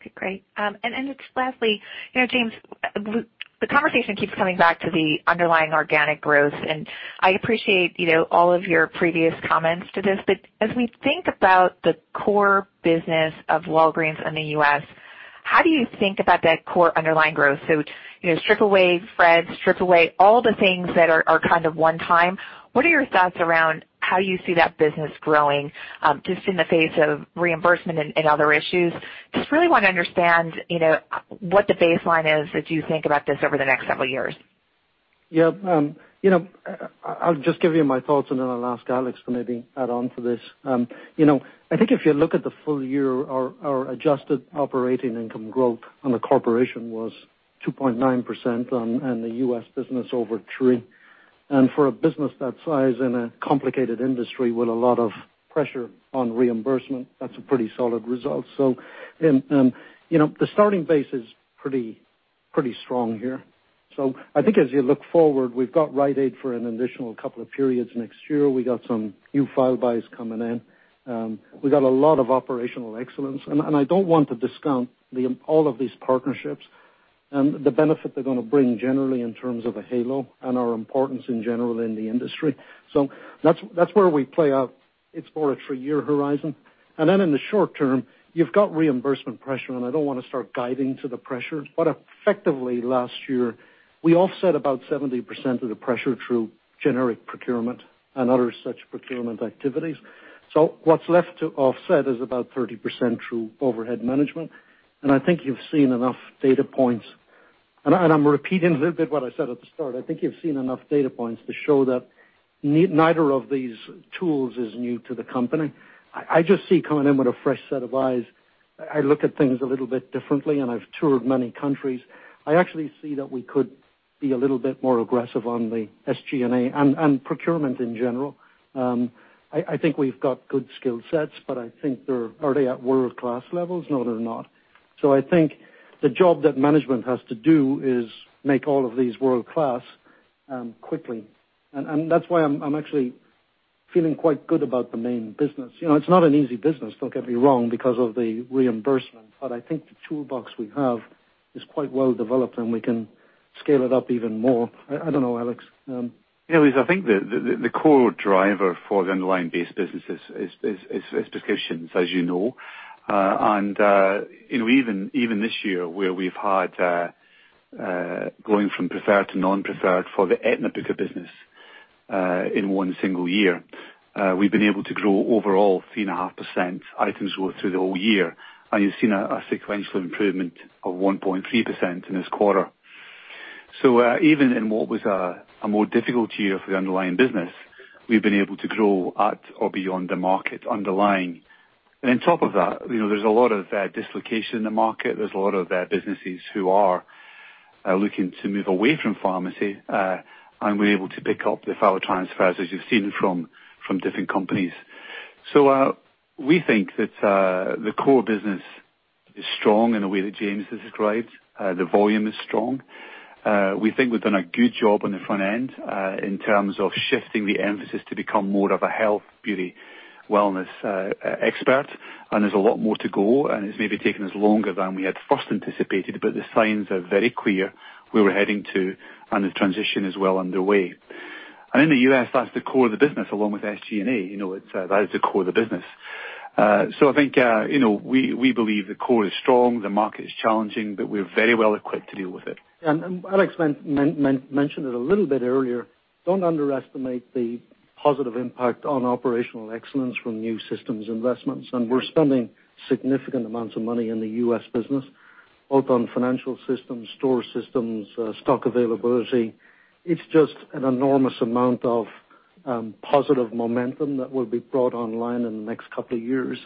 Okay, great. Just lastly, James, the conversation keeps coming back to the underlying organic growth. I appreciate all of your previous comments to this. As we think about the core business of Walgreens in the U.S., how do you think about that core underlying growth? Strip away Fred's, strip away all the things that are kind of one time, what are your thoughts around how you see that business growing, just in the face of reimbursement and other issues? Just really want to understand what the baseline is as you think about this over the next several years. Yeah. I'll just give you my thoughts. Then I'll ask Alex to maybe add on to this. I think if you look at the full year, our adjusted operating income growth on the corporation was 2.9% and the U.S. business over three. For a business that size in a complicated industry with a lot of pressure on reimbursement, that's a pretty solid result. The starting base is pretty strong here. I think as you look forward, we've got Rite Aid for an additional couple of periods next year. We got some new file buys coming in. We got a lot of operational excellence, and I don't want to discount all of these partnerships and the benefit they're going to bring generally in terms of the halo and our importance in general in the industry. That's where we play out. It's more a three-year horizon. In the short term, you've got reimbursement pressure. I don't want to start guiding to the pressure, but effectively last year, we offset about 70% of the pressure through generic procurement and other such procurement activities. What's left to offset is about 30% through overhead management. I think you've seen enough data points. I'm repeating a little bit what I said at the start. I think you've seen enough data points to show that neither of these tools is new to the company. I just see coming in with a fresh set of eyes, I look at things a little bit differently, and I've toured many countries. I actually see that we could be a little bit more aggressive on the SG&A and procurement in general. I think we've got good skill sets, but I think, are they at world-class levels? No, they're not. I think the job that management has to do is make all of these world-class quickly. That's why I'm actually feeling quite good about the main business. It's not an easy business, don't get me wrong, because of the reimbursement. I think the toolbox we have is quite well developed, and we can scale it up even more. I don't know, Alex. Yeah, Lisa, I think the core driver for the underlying base business is prescriptions, as you know. Even this year, where we've had going from preferred to non-preferred for the Aetna PICA business in one single year, we've been able to grow overall 3.5% items worth through the whole year. You've seen a sequential improvement of 1.3% in this quarter. Even in what was a more difficult year for the underlying business, we've been able to grow at or beyond the market underlying. On top of that, there's a lot of dislocation in the market. There's a lot of businesses who are looking to move away from pharmacy, and we're able to pick up with our transfers, as you've seen from different companies. We think that the core business is strong in the way that James has described. The volume is strong. We think we've done a good job on the front end, in terms of shifting the emphasis to become more of a health, beauty, wellness expert. There's a lot more to go. It's maybe taken us longer than we had first anticipated, but the signs are very clear where we're heading to, and the transition is well underway. In the U.S., that's the core of the business along with SG&A. That is the core of the business. I think, we believe the core is strong, the market is challenging, but we're very well equipped to deal with it. Alex mentioned it a little bit earlier. Don't underestimate the positive impact on operational excellence from new systems investments. We're spending significant amounts of money in the U.S. business, both on financial systems, store systems, stock availability. It's just an enormous amount of positive momentum that will be brought online in the next couple of years.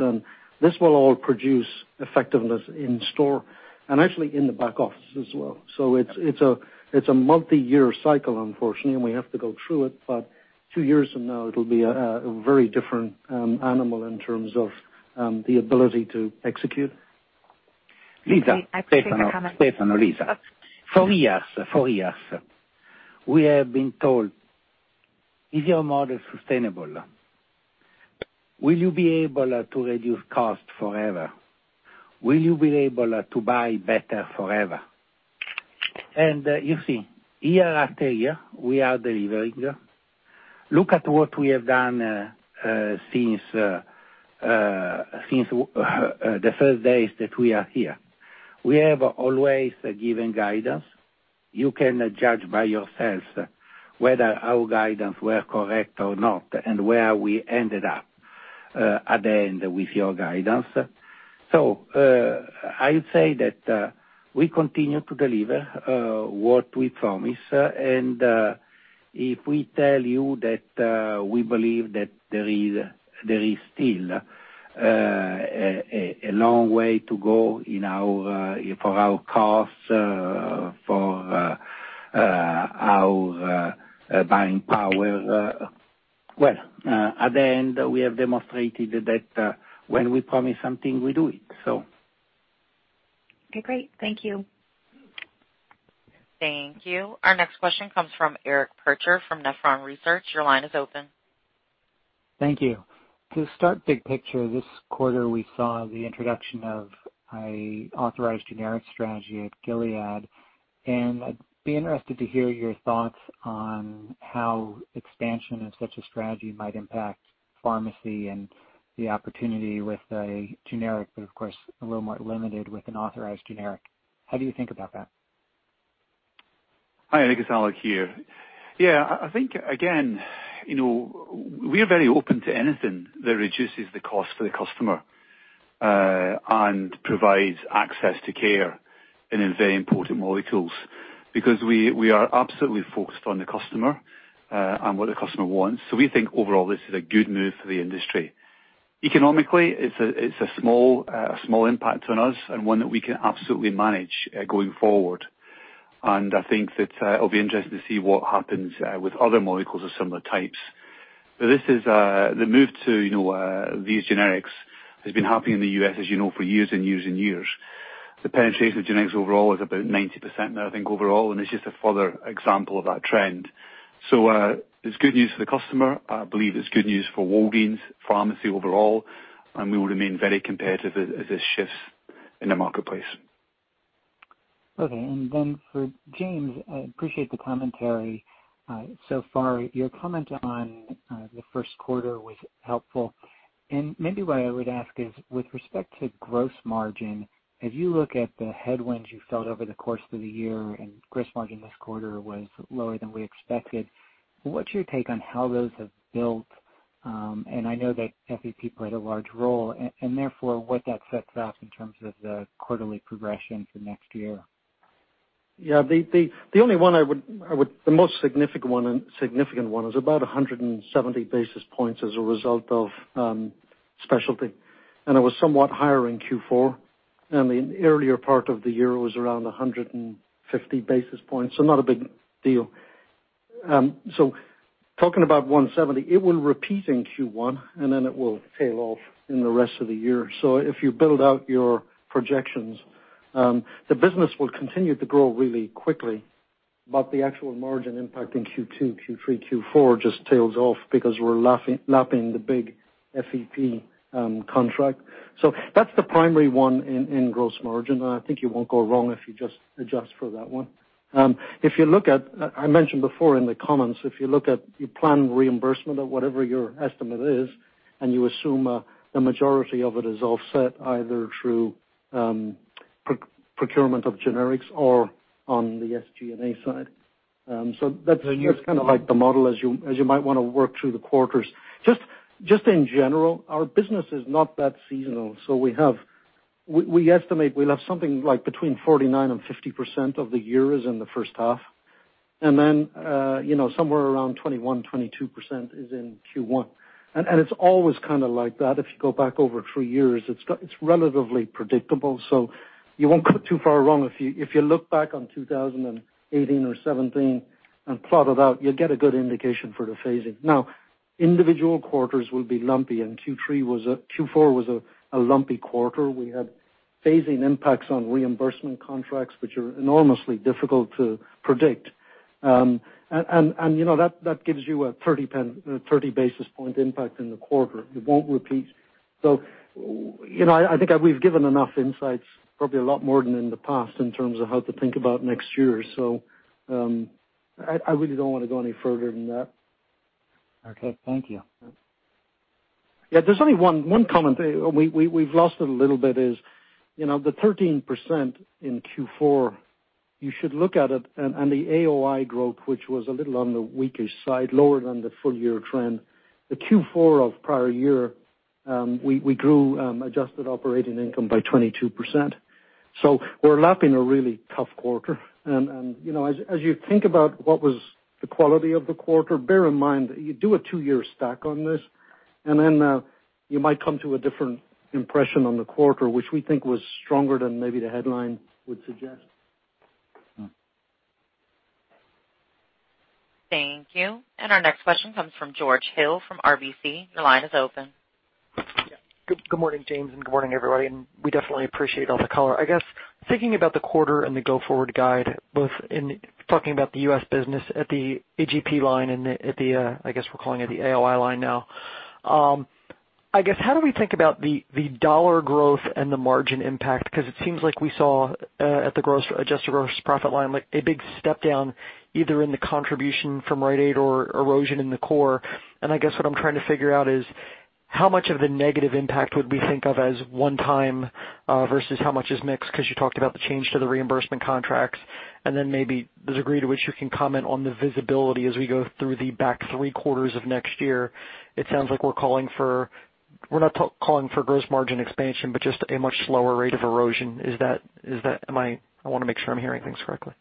This will all produce effectiveness in store and actually in the back office as well. It's a multi-year cycle, unfortunately, and we have to go through it. Two years from now, it'll be a very different animal in terms of the ability to execute. Lisa. I appreciate the comment. Stefano. Lisa. For years, we have been told, "Is your model sustainable? Will you be able to reduce cost forever? Will you be able to buy better forever?" You see, year after year, we are delivering. Look at what we have done since the first days that we are here. We have always given guidance. You can judge by yourself whether our guidance were correct or not, and where we ended up at the end with your guidance. I'll say that we continue to deliver what we promise. If we tell you that we believe that there is still a long way to go for our costs, for our buying power. At the end, we have demonstrated that when we promise something, we do it. Okay, great. Thank you. Thank you. Our next question comes from Eric Percher from Nephron Research. Your line is open. Thank you. To start big picture, this quarter we saw the introduction of an authorized generic strategy at Gilead. I'd be interested to hear your thoughts on how expansion of such a strategy might impact pharmacy and the opportunity with a generic, but of course, a little more limited with an authorized generic. How do you think about that? Hi, Eric. It's Alex here. I think, again, we are very open to anything that reduces the cost for the customer, and provides access to care in very important molecules because we are absolutely focused on the customer, and what the customer wants. We think overall this is a good move for the industry. Economically, it's a small impact on us and one that we can absolutely manage going forward. I think that it'll be interesting to see what happens with other molecules of similar types. The move to these generics has been happening in the U.S., as you know, for years and years and years. The penetration of generics overall is about 90% now, I think, overall, and it's just a further example of that trend. It's good news for the customer. I believe it's good news for Walgreens pharmacy overall, and we will remain very competitive as this shifts in the marketplace. Okay. Then for James, I appreciate the commentary so far. Your comment on the first quarter was helpful. Maybe what I would ask is, with respect to gross margin, as you look at the headwinds you felt over the course of the year, and gross margin this quarter was lower than we expected, what's your take on how those have built? I know that FEP played a large role, and therefore, what that sets up in terms of the quarterly progression for next year. Yeah. The most significant one is about 170 basis points as a result of specialty. It was somewhat higher in Q4, and the earlier part of the year was around 150 basis points. Not a big deal. Talking about 170, it will repeat in Q1, then it will tail off in the rest of the year. If you build out your projections, the business will continue to grow really quickly, but the actual margin impact in Q2, Q3, Q4 just tails off because we're lapping the big FEP contract. That's the primary one in gross margin, and I think you won't go wrong if you just adjust for that one. I mentioned before in the comments, if you look at your planned reimbursement of whatever your estimate is, you assume a majority of it is offset either through procurement of generics or on the SG&A side. That's kind of like the model as you might want to work through the quarters. Just in general, our business is not that seasonal. We estimate we'll have something like between 49% and 50% of the years in the first half. Then somewhere around 21% to 22% is in Q1. It's always like that. If you go back over 3 years, it's relatively predictable, so you won't go too far wrong. If you look back on 2018 or 2017 and plot it out, you'll get a good indication for the phasing. Now, individual quarters will be lumpy, and Q4 was a lumpy quarter. We had phasing impacts on reimbursement contracts, which are enormously difficult to predict. That gives you a 30 basis point impact in the quarter. It won't repeat. I think we've given enough insights, probably a lot more than in the past, in terms of how to think about next year. I really don't want to go any further than that. Okay. Thank you. Yeah. There's only one comment. We've lost it a little bit is, the 13% in Q4, you should look at it, and the AOI growth, which was a little on the weaker side, lower than the full-year trend. The Q4 of prior year, we grew adjusted operating income by 22%. We're lapping a really tough quarter. As you think about what was the quality of the quarter, bear in mind that you do a two-year stack on this, and then you might come to a different impression on the quarter, which we think was stronger than maybe the headline would suggest. Thank you. Our next question comes from George Hill, from RBC. Your line is open. Yeah. Good morning, James, and good morning, everybody. We definitely appreciate all the color. I guess, thinking about the quarter and the go-forward guide, both in talking about the U.S. business at the AGP line and at the, I guess, we're calling it the AOI line now. I guess, how do we think about the dollar growth and the margin impact? Because it seems like we saw, at the adjusted gross profit line, a big step down, either in the contribution from Rite Aid or erosion in the core. I guess what I'm trying to figure out is, how much of the negative impact would we think of as one time, versus how much is mix? Because you talked about the change to the reimbursement contracts. Maybe the degree to which you can comment on the visibility as we go through the back three quarters of next year. It sounds like we're not calling for gross margin expansion, but just a much slower rate of erosion. I want to make sure I'm hearing things correctly.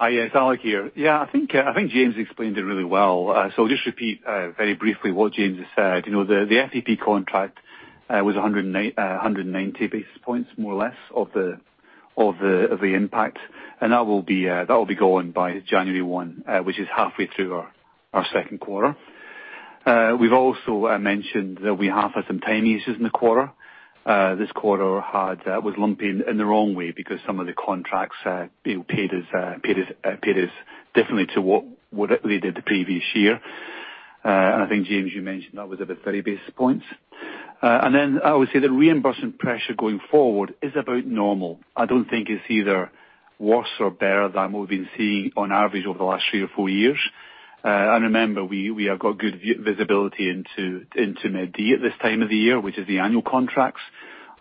Yes. Alex here. I think James explained it really well. I'll just repeat very briefly what James has said. The FEP contract was 190 basis points, more or less, of the impact. That will be gone by January 1, which is halfway through our second quarter. We've also mentioned that we have had some lumpiness in the quarter. This quarter was lumpy in the wrong way because some of the contracts paid us differently to what we did the previous year. I think, James, you mentioned that was at the 30 basis points. I would say the reimbursement pressure going forward is about normal. I don't think it's either worse or better than what we've been seeing on average over the last three or four years. Remember, we have got good visibility into Med D at this time of the year, which is the annual contracts,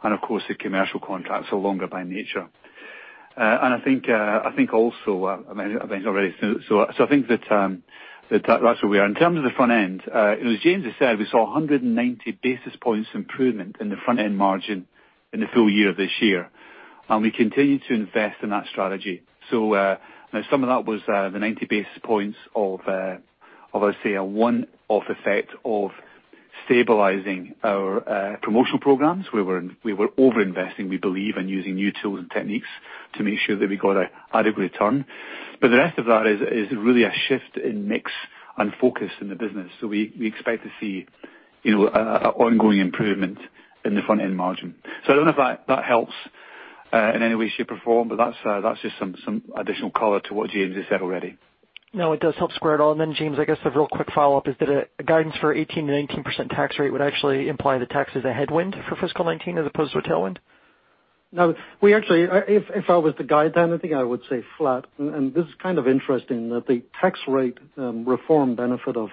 and of course, the commercial contracts are longer by nature. I mean, I think that's where we are. In terms of the front end, as James has said, we saw 190 basis points improvement in the front-end margin in the full year this year. We continue to invest in that strategy. Now some of that was the 90 basis points of, I'll say, a one-off effect of stabilizing our promotional programs. We were over-investing, we believe, and using new tools and techniques to make sure that we got adequate return. The rest of that is really a shift in mix and focus in the business. We expect to see an ongoing improvement in the front-end margin. I don't know if that helps in any way, shape, or form, but that's just some additional color to what James has said already. No, it does help square it all. James, I guess a real quick follow-up is that a guidance for 18% to 19% tax rate would actually imply the tax is a headwind for FY 2019 as opposed to a tailwind? No. If I was to guide anything, I would say flat. This is kind of interesting that the tax rate reform benefit of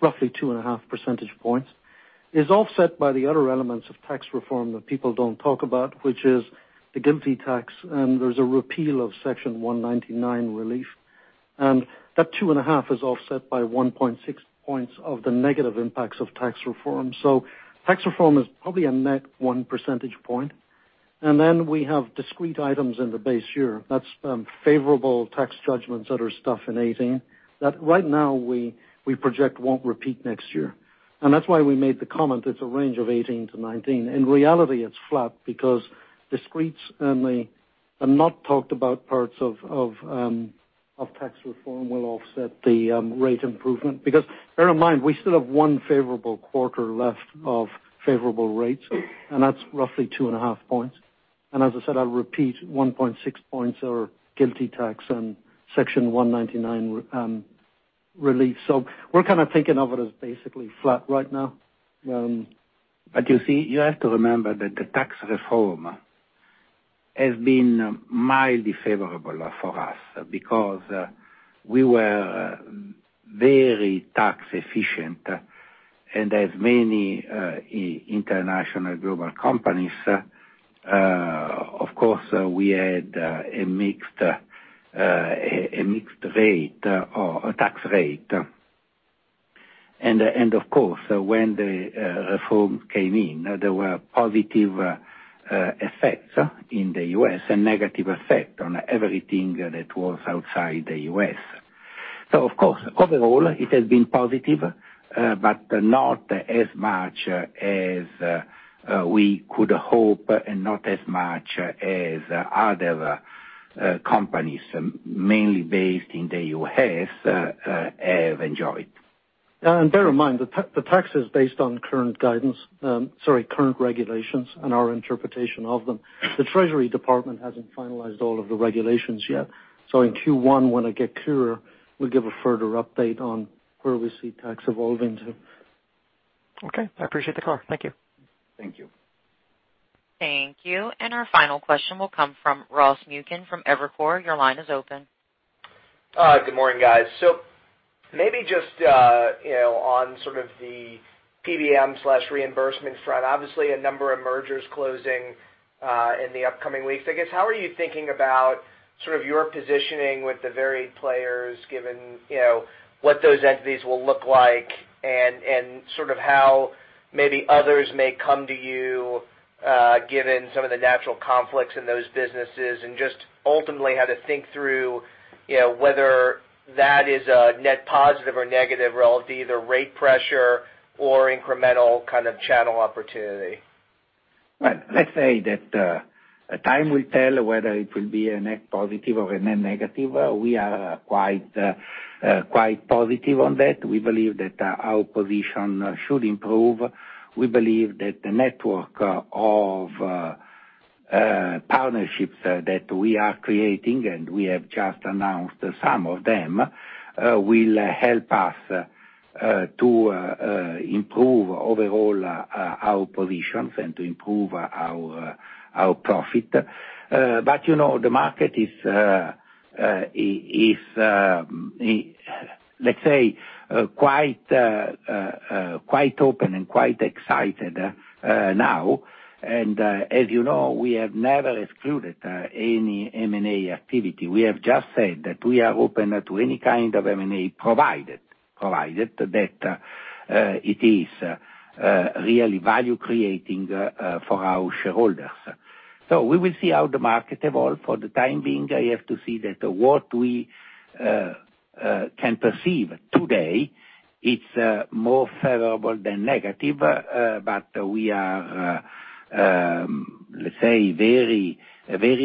roughly two and a half percentage points is offset by the other elements of tax reform that people don't talk about, which is the GILTI tax, and there's a repeal of Section 199 relief. That two and a half is offset by 1.6 points of the negative impacts of tax reform. Tax reform is probably a net one percentage point. We have discrete items in the base year. That's favorable tax judgments that are stuffed in 2018, that right now we project won't repeat next year. That's why we made the comment, it's a range of 2018 to 2019. In reality, it's flat because discretes and the not talked about parts of tax reform will offset the rate improvement. Bear in mind, we still have one favorable quarter left of favorable rates, and that's roughly two and a half points. As I said, I'll repeat, 1.6 points are GILTI tax and Section 199 relief. We're kind of thinking of it as basically flat right now. You see, you have to remember that the tax reform has been mildly favorable for us because we were very tax efficient. As many international global companies, of course, we had a mixed tax rate And of course, when the reform came in, there were positive effects in the U.S. and negative effect on everything that was outside the U.S. Of course, overall it has been positive, but not as much as we could hope and not as much as other companies mainly based in the U.S. have enjoyed. Bear in mind, the tax is based on current regulations and our interpretation of them. The Treasury Department hasn't finalized all of the regulations yet. In Q1, when it get clearer, we'll give a further update on where we see tax evolving to. Okay. I appreciate the clarity. Thank you. Thank you. Thank you. Our final question will come from Ross Muken from Evercore. Your line is open. Good morning, guys. Maybe just on the PBM/reimbursement front, obviously a number of mergers closing in the upcoming weeks. I guess, how are you thinking about your positioning with the varied players given what those entities will look like and how maybe others may come to you, given some of the natural conflicts in those businesses, and just ultimately how to think through whether that is a net positive or negative relative to either rate pressure or incremental kind of channel opportunity? Let's say that time will tell whether it will be a net positive or a net negative. We are quite positive on that. We believe that our position should improve. We believe that the network of partnerships that we are creating, and we have just announced some of them, will help us to improve overall our positions and to improve our profit. The market is, let's say, quite open and quite excited now. As you know, we have never excluded any M&A activity. We have just said that we are open to any kind of M&A, provided that it is really value-creating for our shareholders. We will see how the market evolve. For the time being, I have to say that what we can perceive today, it's more favorable than negative, but we are, let's say, very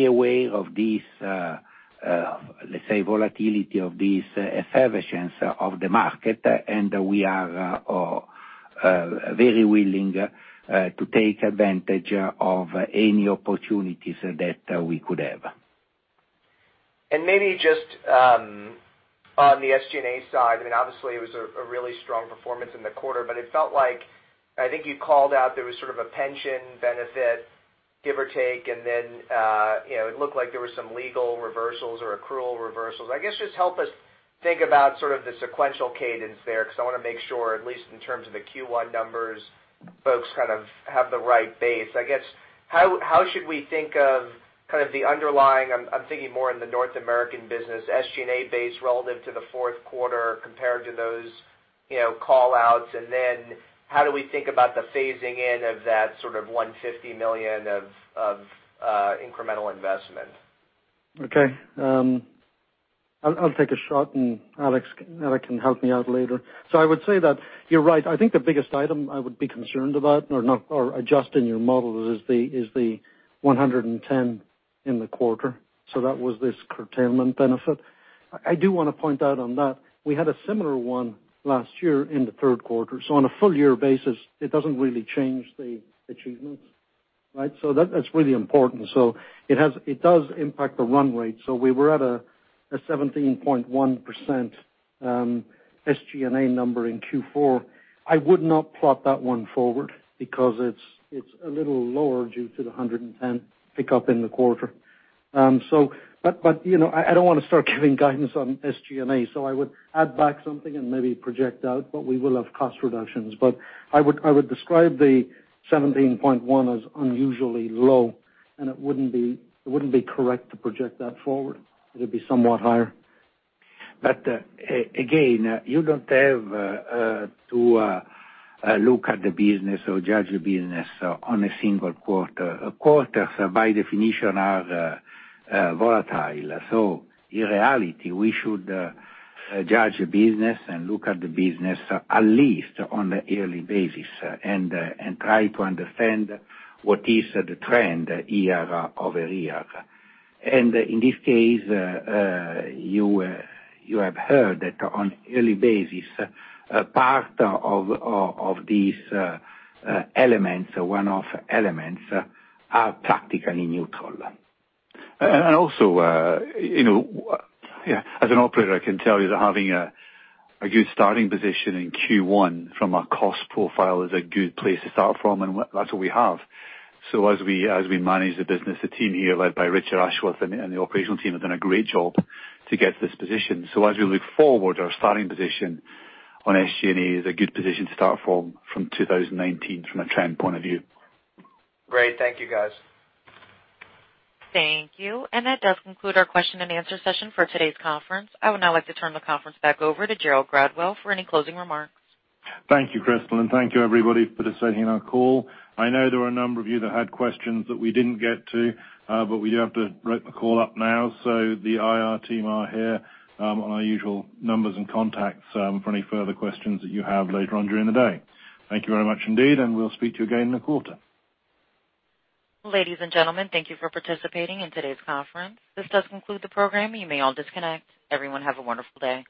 aware of this, let's say, volatility of this effervescence of the market, and we are very willing to take advantage of any opportunities that we could have. Maybe just on the SG&A side, obviously it was a really strong performance in the quarter. It felt like, I think you called out there was sort of a pension benefit, give or take, and then it looked like there was some legal reversals or accrual reversals. I guess just help us think about sort of the sequential cadence there, because I want to make sure, at least in terms of the Q1 numbers, folks have the right base. I guess, how should we think of the underlying, I'm thinking more in the North American business, SG&A base relative to the fourth quarter compared to those call-outs? Then how do we think about the phasing in of that sort of $150 million of incremental investment? Okay. I'll take a shot and Alex can help me out later. I would say that you're right. I think the biggest item I would be concerned about or adjust in your model is the $110 in the quarter. That was this curtailment benefit. I do want to point out on that, we had a similar one last year in the third quarter. On a full year basis, it doesn't really change the achievements, right? That's really important. It does impact the run rate. We were at a 17.1% SG&A number in Q4. I would not plot that one forward because it's a little lower due to the $110 pickup in the quarter. I don't want to start giving guidance on SG&A, so I would add back something and maybe project out, but we will have cost reductions. I would describe the 17.1 as unusually low, and it wouldn't be correct to project that forward. It'll be somewhat higher. Again, you don't have to look at the business or judge the business on a single quarter. Quarters, by definition, are volatile. In reality, we should judge the business and look at the business at least on a yearly basis and try to understand what is the trend year-over-year. In this case, you have heard that on yearly basis, part of these elements, one-off elements, are practically neutral. Also, as an operator, I can tell you that having a good starting position in Q1 from a cost profile is a good place to start from, and that's what we have. As we manage the business, the team here led by Richard Ashworth and the operational team have done a great job to get to this position. As we look forward, our starting position on SG&A is a good position to start from 2019, from a trend point of view. Great. Thank you, guys. Thank you. That does conclude our question and answer session for today's conference. I would now like to turn the conference back over to Gerald Gradwell for any closing remarks. Thank you, Crystal, and thank you, everybody, for attending our call. I know there were a number of you that had questions that we didn't get to, we do have to wrap the call up now. The IR team are here on our usual numbers and contacts for any further questions that you have later on during the day. Thank you very much indeed, and we'll speak to you again in a quarter. Ladies and gentlemen, thank you for participating in today's conference. This does conclude the program. You may all disconnect. Everyone, have a wonderful day.